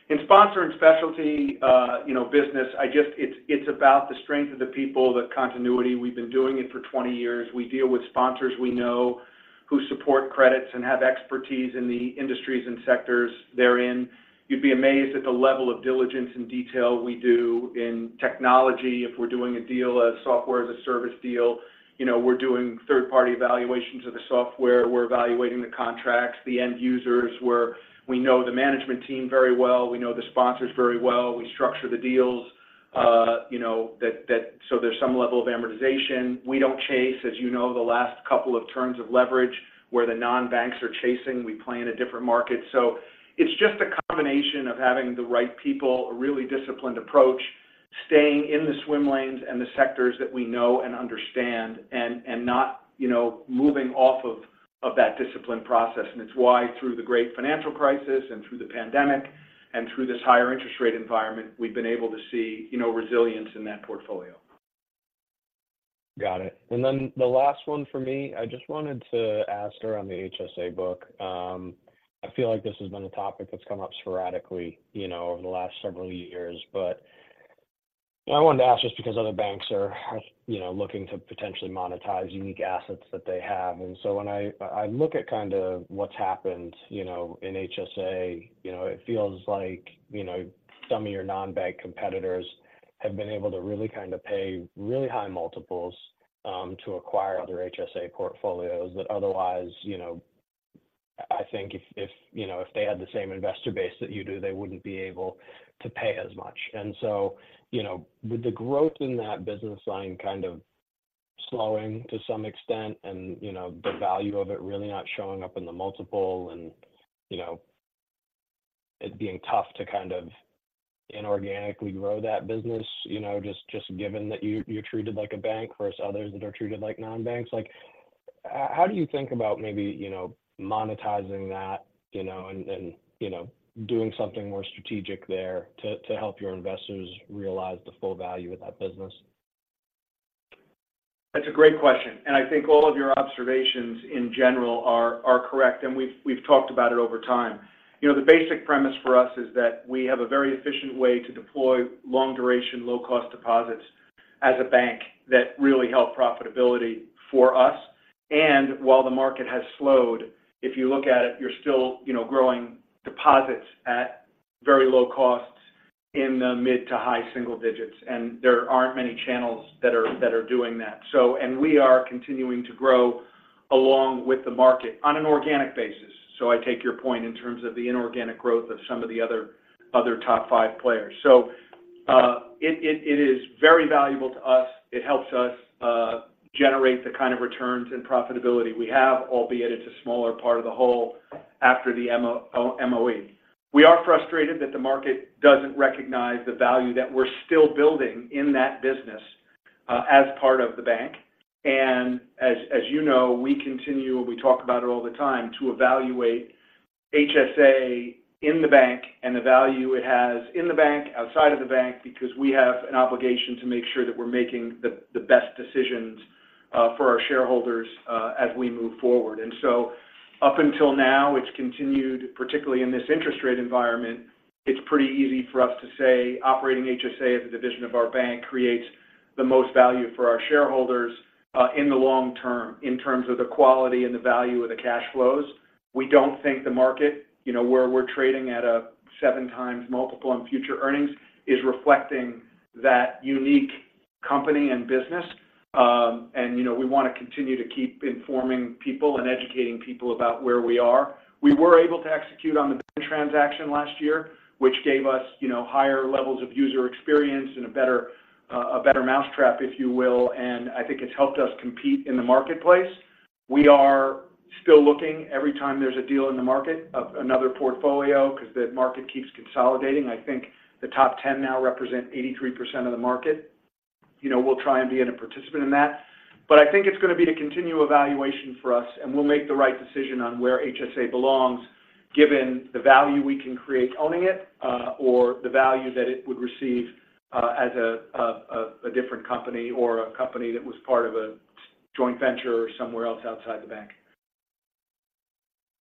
In sponsor and specialty, you know, business, it's about the strength of the people, the continuity. We've been doing it for 20 years. We deal with sponsors we know who support credits and have expertise in the industries and sectors they're in. You'd be amazed at the level of diligence and detail we do in technology. If we're doing a deal, a software-as-a-service deal, you know, we're doing third-party evaluations of the software. We're evaluating the contracts, the end users, where we know the management team very well. We know the sponsors very well. We structure the deals, you know, so there's some level of amortization. We don't chase, as you know, the last couple of turns of leverage where the non-banks are chasing. We play in a different market. So it's just a combination of having the right people, a really disciplined approach, staying in the swim lanes and the sectors that we know and understand, and not, you know, moving off of that disciplined process. It's why, through the great financial crisis and through the pandemic and through this higher interest rate environment, we've been able to see, you know, resilience in that portfolio. Got it. And then the last one for me, I just wanted to ask around the HSA book. I feel like this has been a topic that's come up sporadically, you know, over the last several years. I wanted to ask just because other banks are, you know, looking to potentially monetize unique assets that they have. And so when I look at kind of what's happened, you know, in HSA, you know, it feels like, you know, some of your non-bank competitors have been able to really kind of pay really high multiples to acquire other HSA portfolios that otherwise, you know, I think if, you know, if they had the same investor base that you do, they wouldn't be able to pay as much. And so, you know, with the growth in that business line kind of slowing to some extent, and, you know, the value of it really not showing up in the multiple, and, you know, it being tough to kind of inorganically grow that business, you know, just, just given that you, you're treated like a bank versus others that are treated like non-banks. Like, how do you think about maybe, you know, monetizing that, you know, and, and, you know, doing something more strategic there to, to help your investors realize the full value of that business? That's a great question, and I think all of your observations in general are correct, and we've talked about it over time. You know, the basic premise for us is that we have a very efficient way to deploy long-duration, low-cost deposits as a bank that really help profitability for us. And while the market has slowed, if you look at it, you're still, you know, growing deposits at very low costs in the mid to high single digits, and there aren't many channels that are doing that. So, and we are continuing to grow along with the market on an organic basis. So I take your point in terms of the inorganic growth of some of the other top five players. So, it is very valuable to us. It helps us generate the kind of returns and profitability we have, albeit it's a smaller part of the whole after the MOE. We are frustrated that the market doesn't recognize the value that we're still building in that business, as part of the bank. And as you know, we continue, and we talk about it all the time, to evaluate HSA in the bank and the value it has in the bank, outside of the bank, because we have an obligation to make sure that we're making the best decisions for our shareholders, as we move forward. And so up until now, it's continued, particularly in this interest rate environment, it's pretty easy for us to say operating HSA as a division of our bank creates the most value for our shareholders, in the long term, in terms of the quality and the value of the cash flows. We don't think the market, you know, where we're trading at a 7x multiple on future earnings, is reflecting that unique company and business. You know, we want to continue to keep informing people and educating people about where we are. We were able to execute on the transaction last year, which gave us, you know, higher levels of user experience and a better, a better mousetrap, if you will, and I think it's helped us compete in the marketplace. We are still looking every time there's a deal in the market of another portfolio, because the market keeps consolidating. I think the top 10 now represent 83% of the market. You know, we'll try and be in a participant in that. But I think it's going to be a continued evaluation for us, and we'll make the right decision on where HSA belongs, given the value we can create owning it, or the value that it would receive, as a different company or a company that was part of a joint venture or somewhere else outside the bank.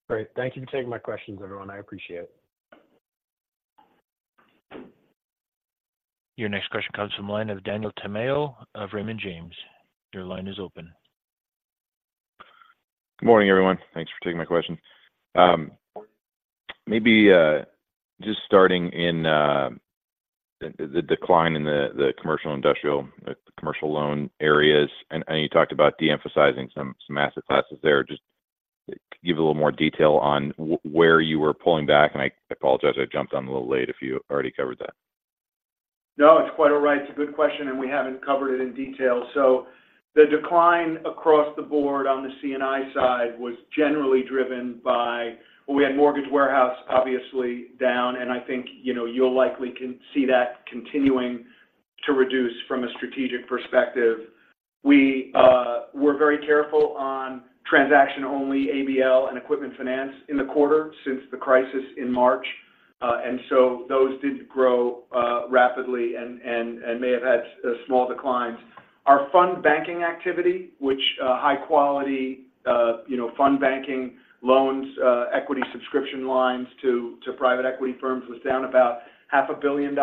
Great. Thank you for taking my questions, everyone. I appreciate it. Your next question comes from the line of Daniel Tamayo of Raymond James. Your line is open. Good morning, everyone. Thanks for taking my question. Maybe just starting in the decline in the commercial industrial commercial loan areas, and you talked about de-emphasizing some asset classes there. Just give a little more detail on where you were pulling back, and I apologize I jumped on a little late, if you already covered that. No, it's quite all right. It's a good question, and we haven't covered it in detail. So the decline across the board on the C&I side was generally driven by. We had mortgage warehouse obviously down, and I think, you know, you'll likely see that continuing to reduce from a strategic perspective. We were very careful on transaction-only ABL and equipment finance in the quarter since the crisis in March. And so those did grow rapidly and may have had a small decline. Our fund banking activity, which high quality, you know, fund banking loans, equity subscription lines to private equity firms, was down about $500 million,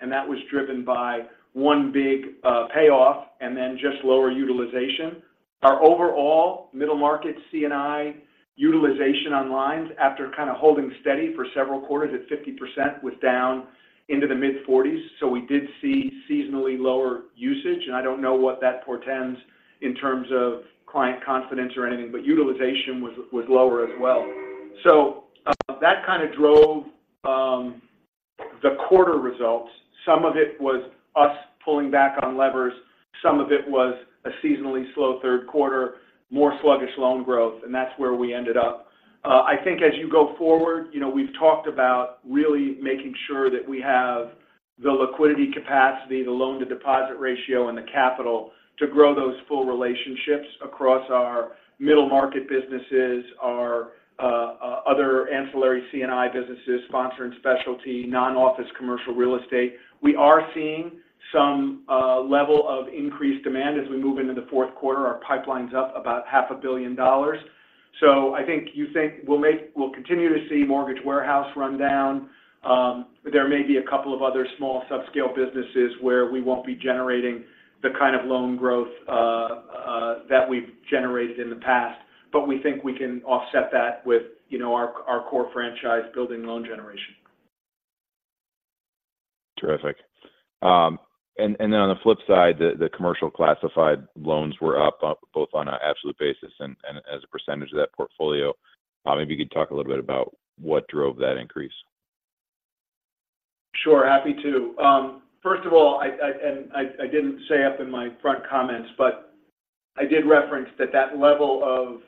and that was driven by one big payoff and then just lower utilization. Our overall middle market C&I utilization on lines, after kind of holding steady for several quarters at 50%, was down into the mid-40s. So we did see seasonally lower usage, and I don't know what that portends in terms of client confidence or anything, but utilization was lower as well. So, that kind of drove the quarter results. Some of it was us pulling back on levers, some of it was a seasonally slow third quarter, more sluggish loan growth, and that's where we ended up. I think as you go forward, you know, we've talked about really making sure that we have the liquidity capacity, the loan-to-deposit ratio, and the capital to grow those full relationships across our middle market businesses, our other ancillary C&I businesses, sponsor and specialty, non-office commercial real estate. We are seeing some level of increased demand as we move into the fourth quarter. Our pipeline's up about $500 million. So I think we'll continue to see mortgage warehouse run down. There may be a couple of other small subscale businesses where we won't be generating the kind of loan growth that we've generated in the past. But we think we can offset that with, you know, our core franchise building loan generation. Terrific. And then on the flip side, the commercial classified loans were up both on an absolute basis and as a percentage of that portfolio. Maybe you could talk a little bit about what drove that increase. Sure, happy to. First of all, I didn't say up in my front comments, but I did reference that that level of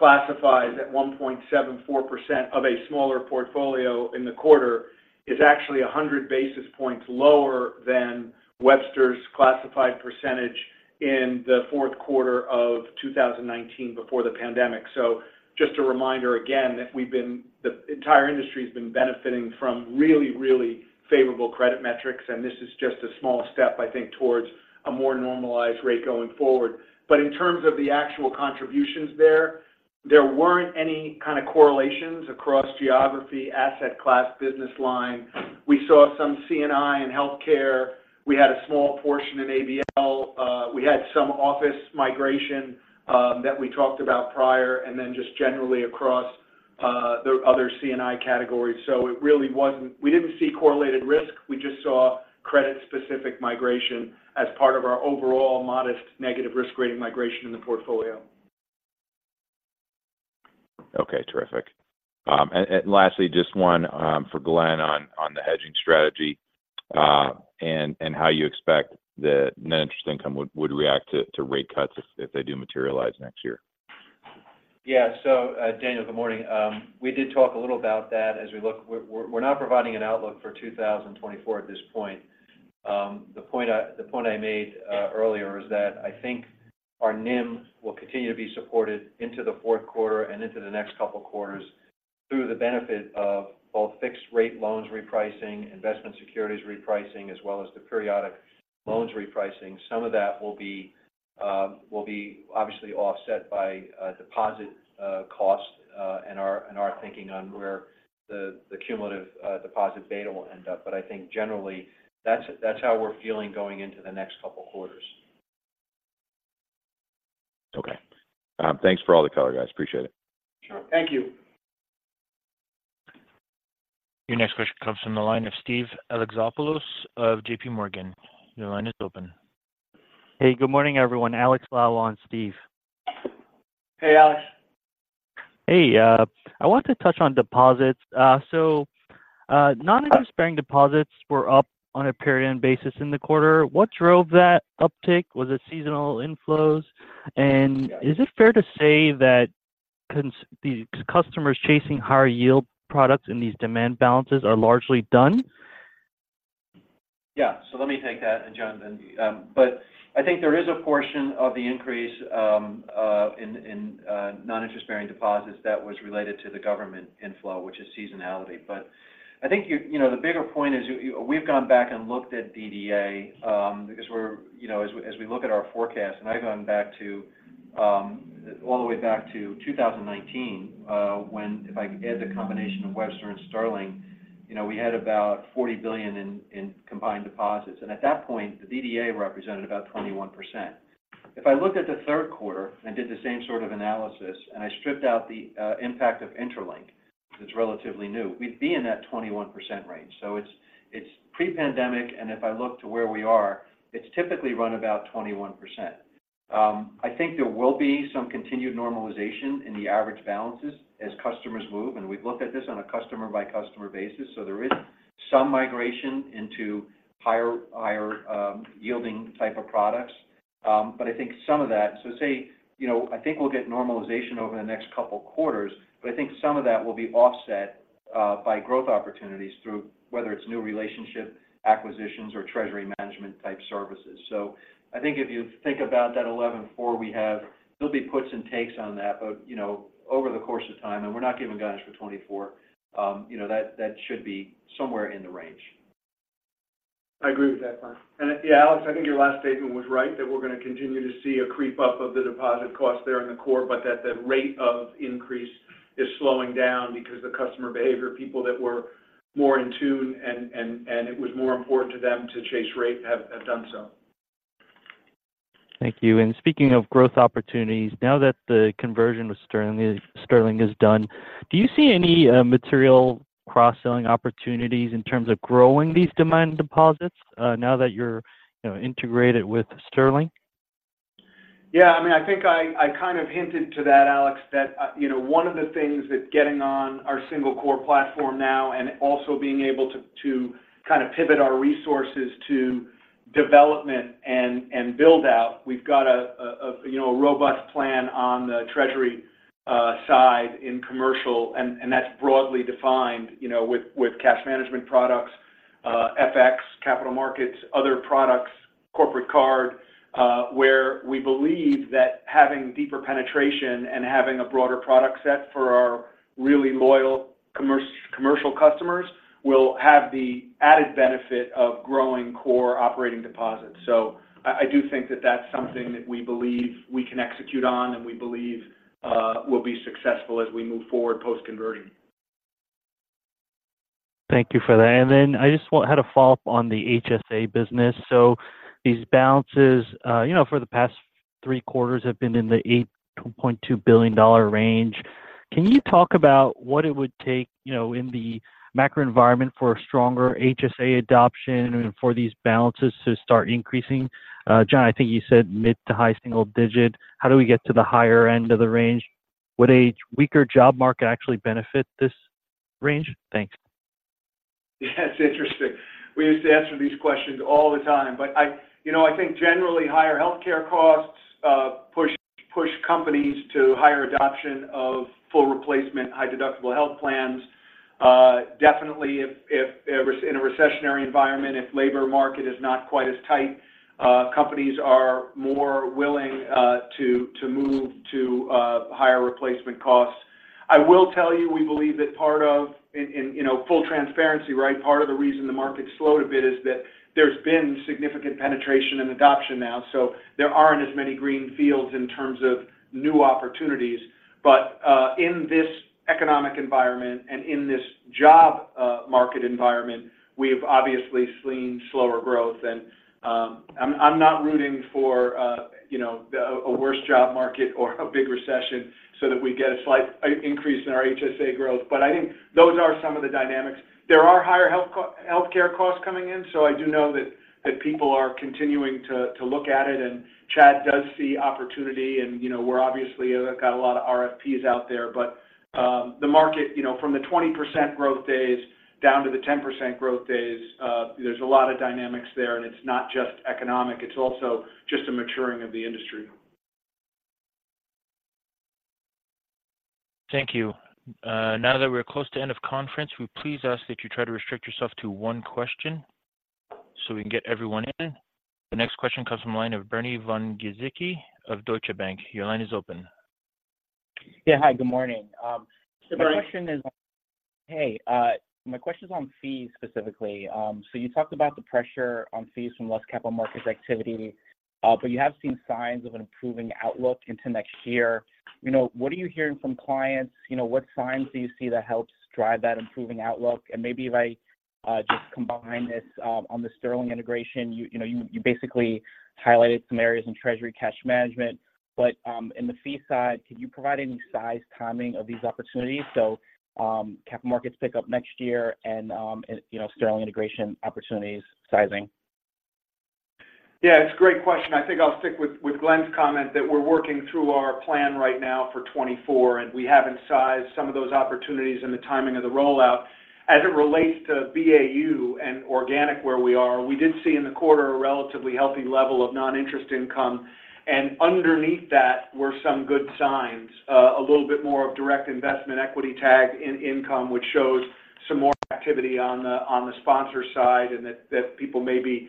classifieds at 1.74% of a smaller portfolio in the quarter is actually 100 basis points lower than Webster's classified percentage in the fourth quarter of 2019 before the pandemic. So just a reminder again, that we've been, the entire industry has been benefiting from really, really favorable credit metrics, and this is just a small step, I think, towards a more normalized rate going forward. But in terms of the actual contributions there, there weren't any kind of correlations across geography, asset class, business line. We saw some C&I in healthcare. We had a small portion in ABL. We had some office migration that we talked about prior, and then just generally across the other C&I categories. So it really wasn't. We didn't see correlated risk. We just saw credit-specific migration as part of our overall modest negative risk rating migration in the portfolio. Okay, terrific. And lastly, just one for Glenn on the hedging strategy, and how you expect the net interest income would react to rate cuts if they do materialize next year. Yeah. So, Daniel, good morning. We did talk a little about that as we look, we're not providing an outlook for 2024 at this point. The point I made earlier is that I think our NIM will continue to be supported into the fourth quarter and into the next couple of quarters through the benefit of both fixed-rate loans repricing, investment securities repricing, as well as the periodic loans repricing. Some of that will be obviously offset by deposit costs, and our thinking on where the cumulative deposit beta will end up. But I think generally, that's how we're feeling going into the next couple of quarters. Okay. Thanks for all the color, guys. Appreciate it. Sure. Thank you. Your next question comes from the line of Steve Alexopoulos of JPMorgan. Your line is open. Hey, good morning, everyone. Alex Lau on Steve. Hey, Alex. Hey, I want to touch on deposits. So, non-interest bearing deposits were up on a period-end basis in the quarter. What drove that uptick? Was it seasonal inflows? And is it fair to say that the customers chasing higher yield products in these demand balances are largely done? Yeah. So let me take that, and John then... But I think there is a portion of the increase in non-interest bearing deposits that was related to the government inflow, which is seasonality. But I think you know, the bigger point is we've gone back and looked at DDA because we're you know, as we look at our forecast, and I've gone back to all the way back to 2019, when if I add the combination of Webster and Sterling, you know, we had about $40 billion in combined deposits. And at that point, the DDA represented about 21%. If I looked at the third quarter and did the same sort of analysis, and I stripped out the impact of Interlink, because it's relatively new, we'd be in that 21% range. So it's pre-pandemic, and if I look to where we are, it's typically run about 21%. I think there will be some continued normalization in the average balances as customers move, and we've looked at this on a customer-by-customer basis. So there is some migration into higher, higher, yielding type of products. But I think some of that, so say, you know, I think we'll get normalization over the next couple of quarters, but I think some of that will be offset by growth opportunities through whether it's new relationship, acquisitions, or treasury management type services. So I think if you think about that 11.4 we have, there'll be puts and takes on that, but, you know, over the course of time, and we're not giving guidance for 2024, you know, that should be somewhere in the range. I agree with that, Glenn. And yeah, Alex, I think your last statement was right, that we're going to continue to see a creep up of the deposit cost there in the core, but that the rate of increase is slowing down because the customer behavior, people that were more in tune and it was more important to them to chase rate have done so. Thank you. And speaking of growth opportunities, now that the conversion with Sterling is done, do you see any material cross-selling opportunities in terms of growing these demand deposits, now that you're, you know, integrated with Sterling? Yeah, I mean, I think I kind of hinted to that, Alex, that you know, one of the things that getting on our single core platform now and also being able to kind of pivot our resources to development and build out, we've got you know, a robust plan on the treasury side in commercial, and that's broadly defined, you know, with cash management products, FX, capital markets, other products, corporate card, where we believe that having deeper penetration and having a broader product set for our really loyal commercial customers will have the added benefit of growing core operating deposits. So I do think that that's something that we believe we can execute on and we believe will be successful as we move forward post-converting. Thank you for that. And then I just want a follow-up on the HSA business. So these balances, you know, for the past three quarters have been in the $8.2 billion range. Can you talk about what it would take, you know, in the macro environment for a stronger HSA adoption and for these balances to start increasing? John, I think you said mid to high single digit. How do we get to the higher end of the range? Would a weaker job market actually benefit this range? Thanks. That's interesting. We used to answer these questions all the time, but I, you know, I think generally, higher healthcare costs push companies to higher adoption of full replacement, high deductible health plans. Definitely, if in a recessionary environment, if labor market is not quite as tight, companies are more willing to move to higher replacement costs. I will tell you, we believe that part of and, you know, full transparency, right? Part of the reason the market slowed a bit is that there's been significant penetration and adoption now, so there aren't as many green fields in terms of new opportunities. But, in this economic environment and in this job market environment, we've obviously seen slower growth. I'm not rooting for, you know, a worse job market or a big recession so that we get a slight increase in our HSA growth, but I think those are some of the dynamics. There are higher healthcare costs coming in, so I do know that people are continuing to look at it, and Chad does see opportunity, and, you know, we're obviously got a lot of RFPs out there. But, the market, you know, from the 20% growth days down to the 10% growth days, there's a lot of dynamics there, and it's not just economic, it's also just a maturing of the industry. Thank you. Now that we're close to end of conference, we please ask that you try to restrict yourself to one question so we can get everyone in. The next question comes from the line of Bernard von Gizycki of Deutsche Bank. Your line is open. Yeah. Hi, good morning. So Bernard- The question is... Hey, my question is on fees specifically. So you talked about the pressure on fees from less capital markets activity, but you have seen signs of an improving outlook into next year. You know, what are you hearing from clients? You know, what signs do you see that helps drive that improving outlook? And maybe if I just combine this, on the Sterling integration, you know, you basically highlighted some areas in treasury cash management. But, in the fee side, could you provide any size, timing of these opportunities? So, capital markets pick up next year and, you know, Sterling integration opportunities, sizing. Yeah, it's a great question. I think I'll stick with Glenn's comment that we're working through our plan right now for 2024, and we haven't sized some of those opportunities and the timing of the rollout. As it relates to BAU and organic, where we are, we did see in the quarter a relatively healthy level of non-interest income, and underneath that were some good signs. A little bit more of direct investment equity gain in income, which shows some more activity on the sponsor side, and that people may be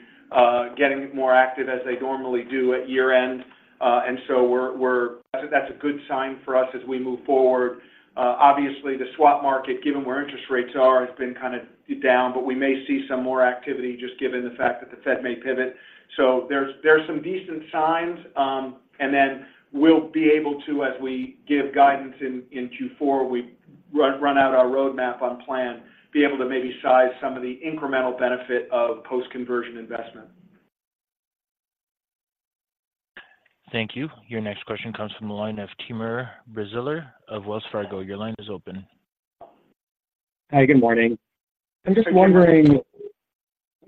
getting more active as they normally do at year-end. And so we're. That's a good sign for us as we move forward. Obviously, the swap market, given where interest rates are, has been kind of down, but we may see some more activity just given the fact that the Fed may pivot. So there's some decent signs, and then we'll be able to, as we give guidance in Q4, we run out our roadmap on plan, be able to maybe size some of the incremental benefit of post-conversion investment. Thank you. Your next question comes from the line of Timur Braziler of Wells Fargo. Your line is open. Hi, good morning. I'm just wondering,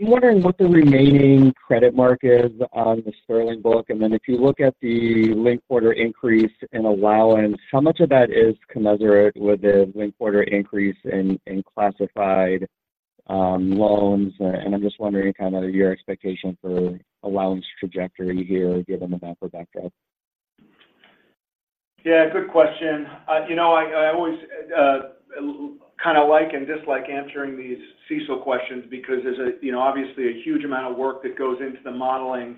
I'm wondering what the remaining credit mark is on the Sterling book, and then if you look at the linked quarter increase in allowance, how much of that is commensurate with the linked quarter increase in, in classified, loans? And I'm just wondering kind of your expectation for allowance trajectory here, given the buffer backup. Yeah, good question. You know, I always kind of like and dislike answering these CECL questions because there's, you know, obviously a huge amount of work that goes into the modeling.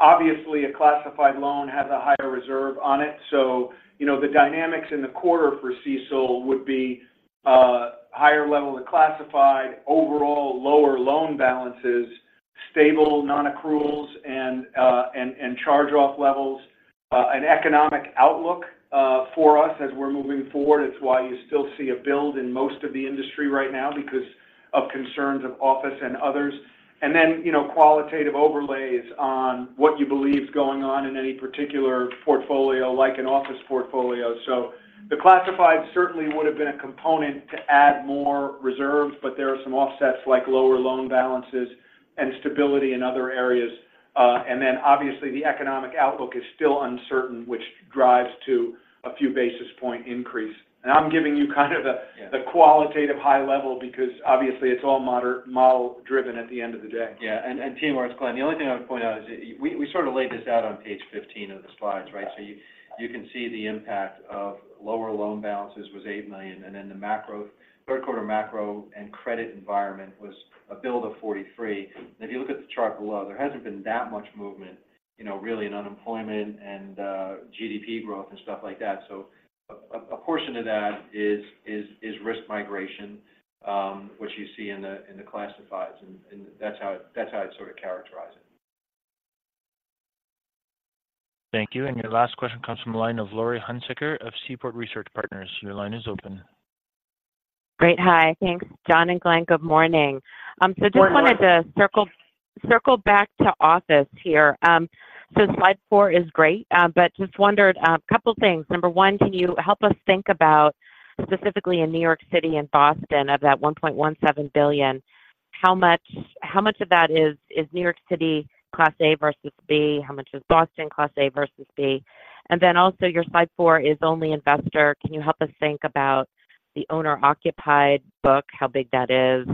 Obviously, a classified loan has a higher reserve on it. So, you know, the dynamics in the quarter for CECL would be a higher level of classified, overall lower loan balances, stable non-accruals, and charge-off levels. An economic outlook for us as we're moving forward, it's why you still see a build in most of the industry right now because of concerns of office and others. And then, you know, qualitative overlays on what you believe is going on in any particular portfolio, like an office portfolio. So the classified certainly would have been a component to add more reserves, but there are some offsets like lower loan balances and stability in other areas. And then obviously, the economic outlook is still uncertain, which drives to a few basis point increase. And I'm giving you kind of the- Yeah. The qualitative high level, because obviously, it's all model driven at the end of the day. Yeah, and Timur, it's Glenn. The only thing I would point out is we sort of laid this out on page 15 of the slides, right? So you can see the impact of lower loan balances was $8 million, and then the macro third quarter macro and credit environment was a build of $43. And if you look at the chart below, there hasn't been that much movement, you know, really in unemployment and GDP growth and stuff like that. So a portion of that is risk migration, which you see in the classifieds, and that's how I'd sort of characterize it. Thank you. And your last question comes from the line of Laurie Hunsicker of Seaport Research Partners. Your line is open. Great. Hi. Thanks, John and Glenn. Good morning. So just wanted to circle back to office here. So slide 4 is great, but just wondered a couple of things. Number one, can you help us think about, specifically in New York City and Boston, of that $1.17 billion, how much of that is New York City Class A versus B? How much is Boston Class A versus B? And then also, your slide four is only investor. Can you help us think about the owner-occupied book, how big that is?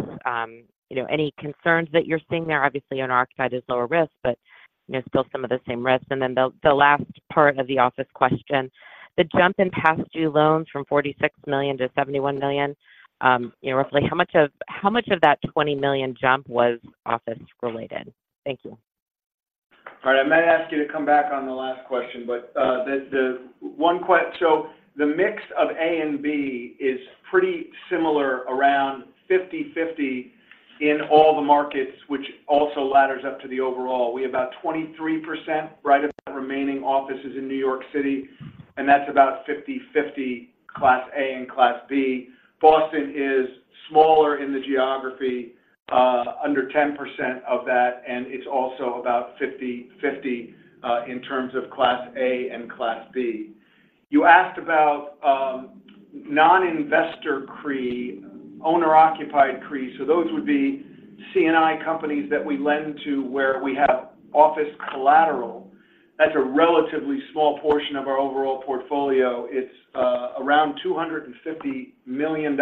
You know, any concerns that you're seeing there? Obviously, owner-occupied is lower risk, but, you know, still some of the same risks. Then, the last part of the office question, the jump in past due loans from $46 million to $71 million, you know, roughly, how much of that $20 million jump was office related? Thank you. All right. I might ask you to come back on the last question, but. So the mix of A and B is pretty similar, around 50/50 in all the markets, which also ladders up to the overall. We have about 23% right of the remaining offices in New York City, and that's about 50/50, Class A and Class B. Boston is smaller in the geography, under 10% of that, and it's also about 50/50 in terms of Class A and Class B. You asked about non-investor CRE, owner-occupied CRE. So those would be C&I companies that we lend to where we have office collateral. That's a relatively small portion of our overall portfolio. It's around $250 million,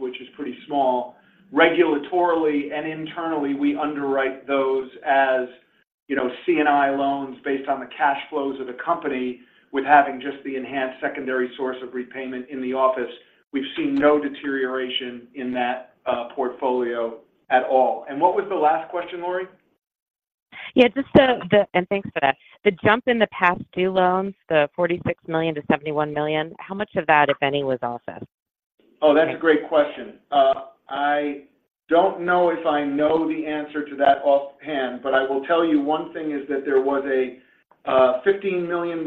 which is pretty small. Regulatorily and internally, we underwrite those as, you know, C&I loans based on the cash flows of the company with having just the enhanced secondary source of repayment in the office. We've seen no deterioration in that portfolio at all. And what was the last question, Laurie? Yeah. Thanks for that. The jump in the past due loans, the $46 million-$71 million, how much of that, if any, was office? Oh, that's a great question. I don't know if I know the answer to that offhand, but I will tell you one thing is that there was a $15 million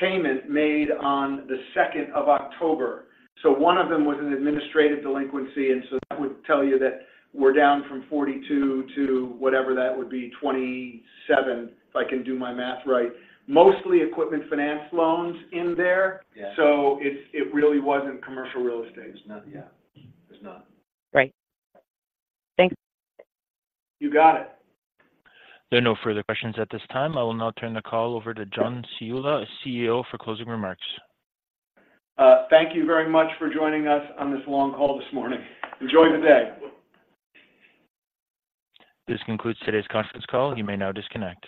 payment made on the second of October. So one of them was an administrative delinquency, and so that would tell you that we're down from 42 to whatever that would be, 27, if I can do my math right. Mostly equipment finance loans in there. Yeah. So it really wasn't commercial real estate. It's not, yeah. It's not. Right. Thanks. You got it. There are no further questions at this time. I will now turn the call over to John Ciulla, CEO, for closing remarks. Thank you very much for joining us on this long call this morning. Enjoy the day. This concludes today's conference call. You may now disconnect.